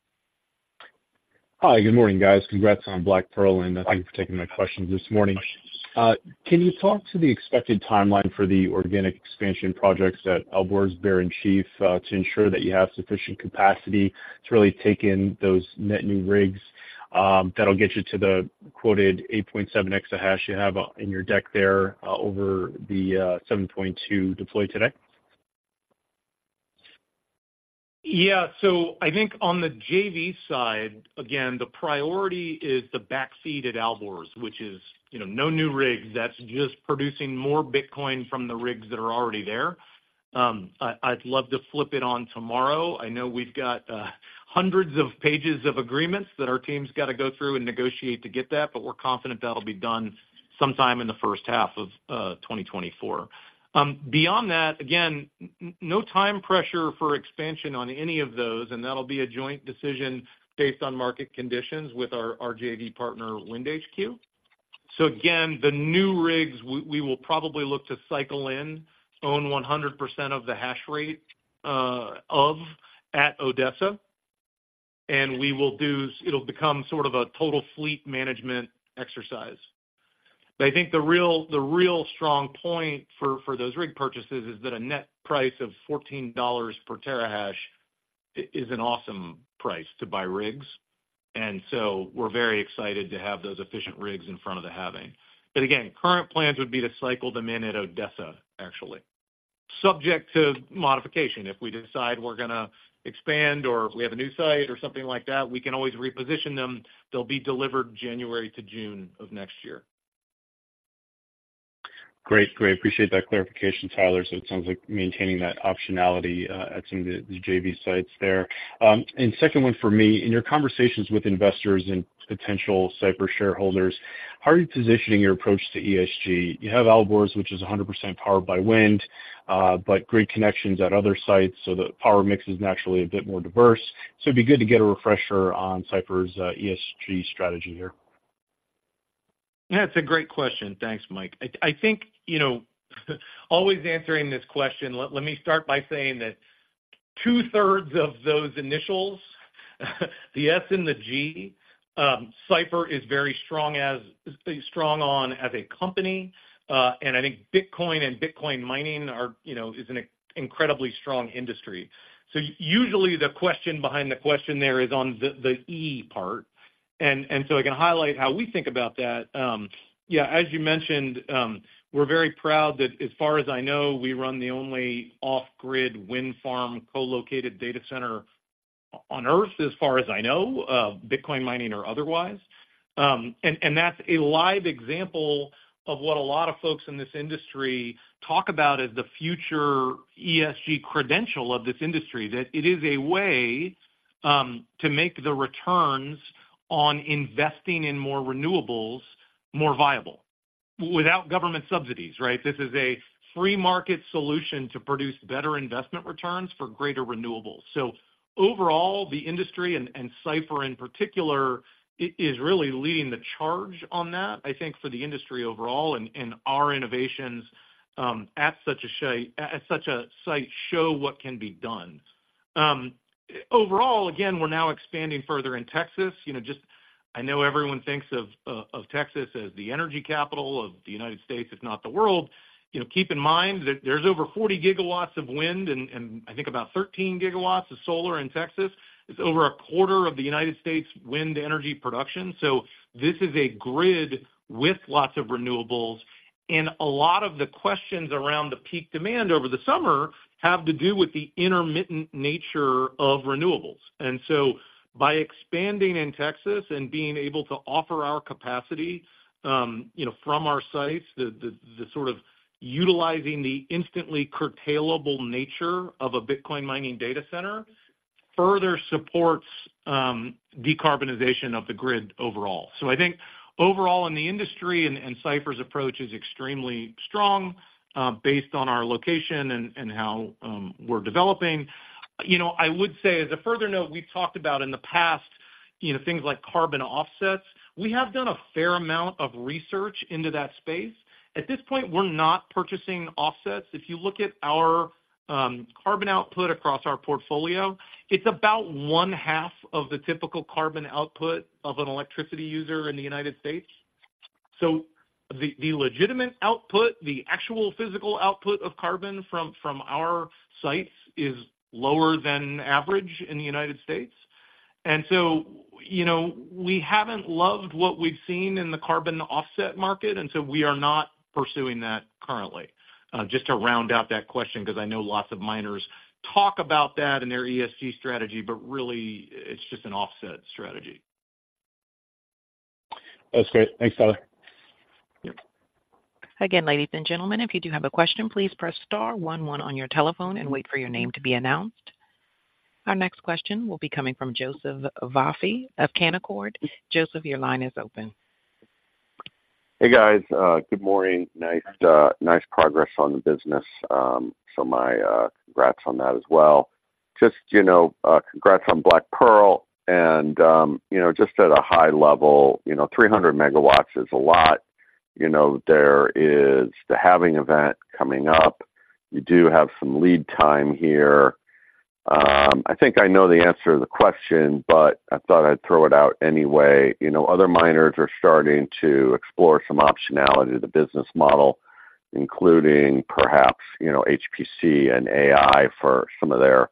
Hi, good morning, guys. Congrats on Black Pearl- Thanks. Thank you for taking my questions this morning. Can you talk to the expected timeline for the organic expansion projects at Alborz, Bear, and Chief, to ensure that you have sufficient capacity to really take in those net new rigs, that'll get you to the quoted 8.7 EH you have in your deck there, over the 7.2 deployed today? Yeah. So I think on the JV side, again, the priority is the backfeed at Alborz, which is, you know, no new rigs. That's just producing more Bitcoin from the rigs that are already there. I'd love to flip it on tomorrow. I know we've got hundreds of pages of agreements that our team's got to go through and negotiate to get that, but we're confident that'll be done sometime in the first half of 2024. Beyond that, again, no time pressure for expansion on any of those, and that'll be a joint decision based on market conditions with our JV partner, WindHQ. So again, the new rigs, we will probably look to cycle in, own 100% of the hash rate of at Odessa, and we will do, it'll become sort of a total fleet management exercise. But I think the real, the real strong point for, for those rig purchases is that a net price of $14 per terahash is an awesome price to buy rigs, and so we're very excited to have those efficient rigs in front of the halving. But again, current plans would be to cycle them in at Odessa, actually, subject to modification. If we decide we're gonna expand or if we have a new site or something like that, we can always reposition them. They'll be delivered January to June of next year. Great. Great. Appreciate that clarification, Tyler. So it sounds like maintaining that optionality at some of the JV sites there. And second one for me. In your conversations with investors and potential Cipher shareholders, how are you positioning your approach to ESG? You have Alborz, which is 100% powered by wind, but grid connections at other sites, so the power mix is naturally a bit more diverse. So it'd be good to get a refresher on Cipher's ESG strategy here.... That's a great question. Thanks, Mike. I think, you know, always answering this question, let me start by saying that two-thirds of those initials, the S and the G, Cipher is very strong as strong on as a company, and I think Bitcoin Bitcoin mining are, you know, is an incredibly strong industry. So usually the question behind the question there is on the E part, and so I can highlight how we think about that. Yeah, as you mentioned, we're very proud that, as far as I know, we run the only off-grid wind farm co-located data center on Earth, as far as I Bitcoin mining or otherwise. And that's a live example of what a lot of folks in this industry talk about as the future ESG credential of this industry. That it is a way to make the returns on investing in more renewables more viable without government subsidies, right? This is a free market solution to produce better investment returns for greater renewables. So overall, the industry and Cipher in particular is really leading the charge on that, I think, for the industry overall and our innovations at such a site show what can be done. Overall, again, we're now expanding further in Texas. You know, just... I know everyone thinks of Texas as the energy capital of the United States, if not the world. You know, keep in mind that there's over 40 GW of wind, and I think about 13 GW of solar in Texas. It's over a quarter of the United States wind energy production. So this is a grid with lots of renewables, and a lot of the questions around the peak demand over the summer have to do with the intermittent nature of renewables. And so by expanding in Texas and being able to offer our capacity, you know, from our sites, the sort of utilizing the instantly curtailable nature of Bitcoin mining data center, further supports decarbonization of the grid overall. So I think overall, in the industry, and Cipher's approach is extremely strong, based on our location and how we're developing. You know, I would say, as a further note, we've talked about in the past, you know, things like carbon offsets. We have done a fair amount of research into that space. At this point, we're not purchasing offsets. If you look at our carbon output across our portfolio, it's about one half of the typical carbon output of an electricity user in the United States. So the legitimate output, the actual physical output of carbon from our sites is lower than average in the United States. And so, you know, we haven't loved what we've seen in the carbon offset market, and so we are not pursuing that currently. Just to round out that question, because I know lots of miners talk about that in their ESG strategy, but really it's just an offset strategy. That's great. Thanks, Tyler. Again, ladies and gentlemen, if you do have a question, please press star one, one on your telephone and wait for your name to be announced. Our next question will be coming from Joseph Vafi of Canaccord. Joseph, your line is open. Hey, guys, good morning. Nice, nice progress on the business, so my congrats on that as well. Just, you know, congrats on Black Pearl, and, you know, just at a high level, you know, 300 MW is a lot. You know, there is the halving event coming up. You do have some lead time here. I think I know the answer to the question, but I thought I'd throw it out anyway. You know, other miners are starting to explore some optionality of the business model, including perhaps, you know, HPC and AI for some of their,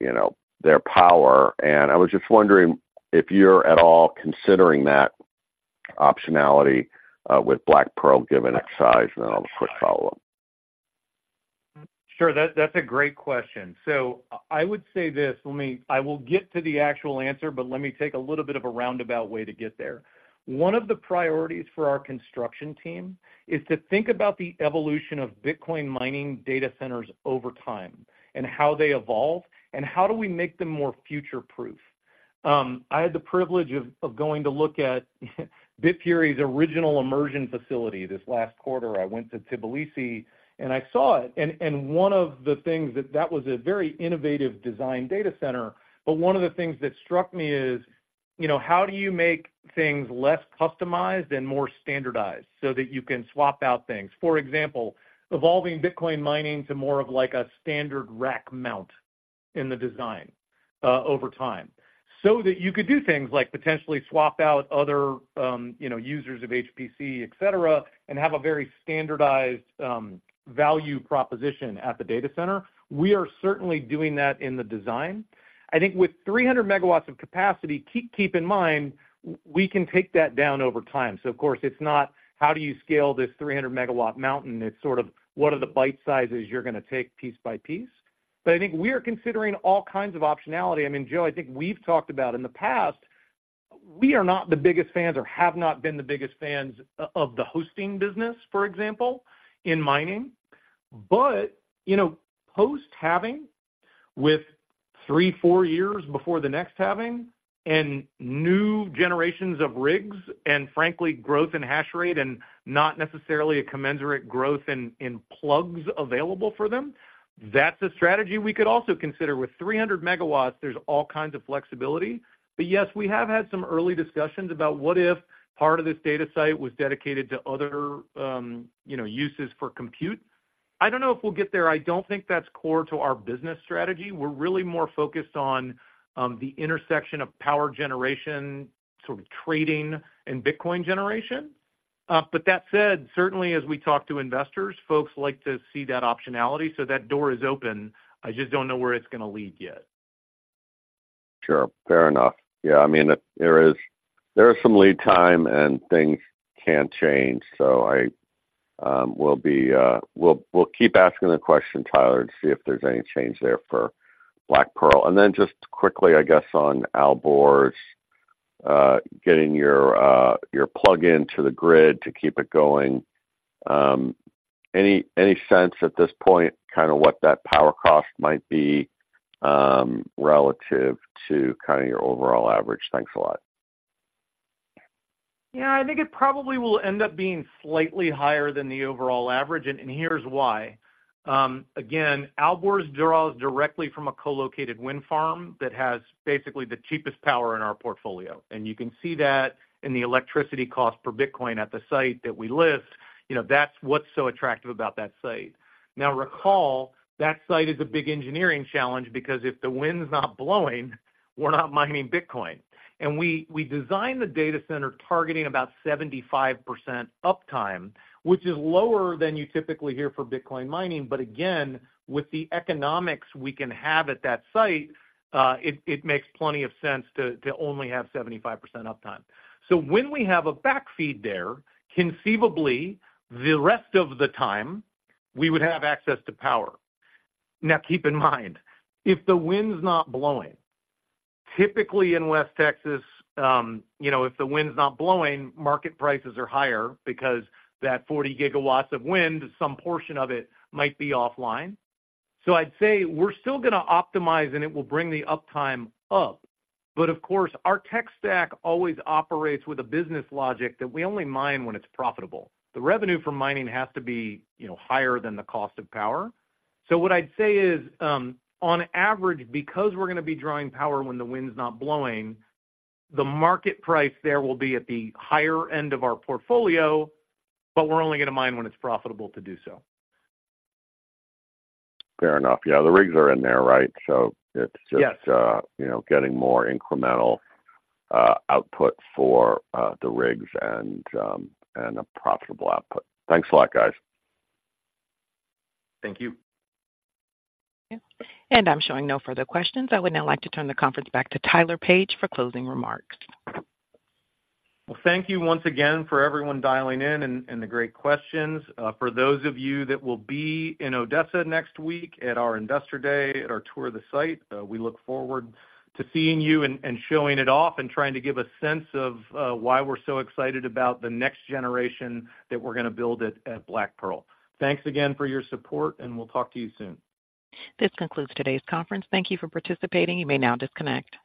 you know, their power. And I was just wondering if you're at all considering that optionality, with Black Pearl, given its size, and then I'll quick follow up. Sure. That's, that's a great question. So I would say this: Let me—I will get to the actual answer, but let me take a little bit of a roundabout way to get there. One of the priorities for our construction team is to think about the evolution Bitcoin mining data centers over time and how they evolve and how do we make them more future-proof. I had the privilege of going to look at Bitfury's original immersion facility this last quarter. I went to Tbilisi and I saw it, and one of the things that was a very innovative design data center, but one of the things that struck me is, you know, how do you make things less customized and more standardized so that you can swap out things? For example, Bitcoin mining to more of like a standard rack mount in the design over time, so that you could do things like potentially swap out other, you know, users of HPC, et cetera, and have a very standardized value proposition at the data center. We are certainly doing that in the design. I think with 300 MW of capacity, keep in mind, we can take that down over time. So of course, it's not how do you scale this 300 MW mountain? It's sort of what are the bite sizes you're gonna take piece by piece. But I think we are considering all kinds of optionality. I mean, Joe, I think we've talked about in the past, we are not the biggest fans or have not been the biggest fans of the hosting business, for example, in mining. But, you know, post-halving, with three, four years before the next halving and new generations of rigs and frankly, growth in hash rate and not necessarily a commensurate growth in, in plugs available for them, that's a strategy we could also consider. With 300 MW, there's all kinds of flexibility. But yes, we have had some early discussions about what if part of this data site was dedicated to other, you know, uses for compute? I don't know if we'll get there. I don't think that's core to our business strategy. We're really more focused on, the intersection of power generation, sort of trading and Bitcoin generation. But that said, certainly as we talk to investors, folks like to see that optionality, so that door is open. I just don't know where it's gonna lead yet. Sure. Fair enough. Yeah, I mean, there is, there is some lead time, and things can change, so we'll keep asking the question, Tyler, to see if there's any change there for Black Pearl. And then just quickly, I guess, on Alborz, getting your plug-in to the grid to keep it going, any sense at this point, kind of what that power cost might be, relative to kind of your overall average? Thanks a lot. Yeah, I think it probably will end up being slightly higher than the overall average, and, and here's why. Again, Alborz draws directly from a co-located wind farm that has basically the cheapest power in our portfolio, and you can see that in the electricity cost per Bitcoin at the site that we list. You know, that's what's so attractive about that site. Now, recall, that site is a big engineering challenge because if the wind's not blowing, we're not mining Bitcoin. And we, we designed the data center targeting about 75% uptime, which is lower than you typically hear Bitcoin mining. but again, with the economics we can have at that site, it, it makes plenty of sense to, to only have 75% uptime. So when we have a backfeed there, conceivably, the rest of the time, we would have access to power. Now, keep in mind, if the wind's not blowing, typically in West Texas, you know, if the wind's not blowing, market prices are higher because that 40 GW of wind, some portion of it might be offline. So I'd say we're still gonna optimize, and it will bring the uptime up. But of course, our tech stack always operates with a business logic that we only mine when it's profitable. The revenue from mining has to be, you know, higher than the cost of power. So what I'd say is, on average, because we're gonna be drawing power when the wind's not blowing, the market price there will be at the higher end of our portfolio, but we're only gonna mine when it's profitable to do so. Fair enough. Yeah, the rigs are in there, right? So it's just- Yes. You know, getting more incremental output for the rigs and a profitable output. Thanks a lot, guys. Thank you. I'm showing no further questions. I would now like to turn the conference back to Tyler Page for closing remarks. Well, thank you once again for everyone dialing in and the great questions. For those of you that will be in Odessa next week at our Investor Day, at our tour of the site, we look forward to seeing you and showing it off and trying to give a sense of why we're so excited about the next generation that we're gonna build it at Black Pearl. Thanks again for your support, and we'll talk to you soon. This concludes today's conference. Thank you for participating. You may now disconnect.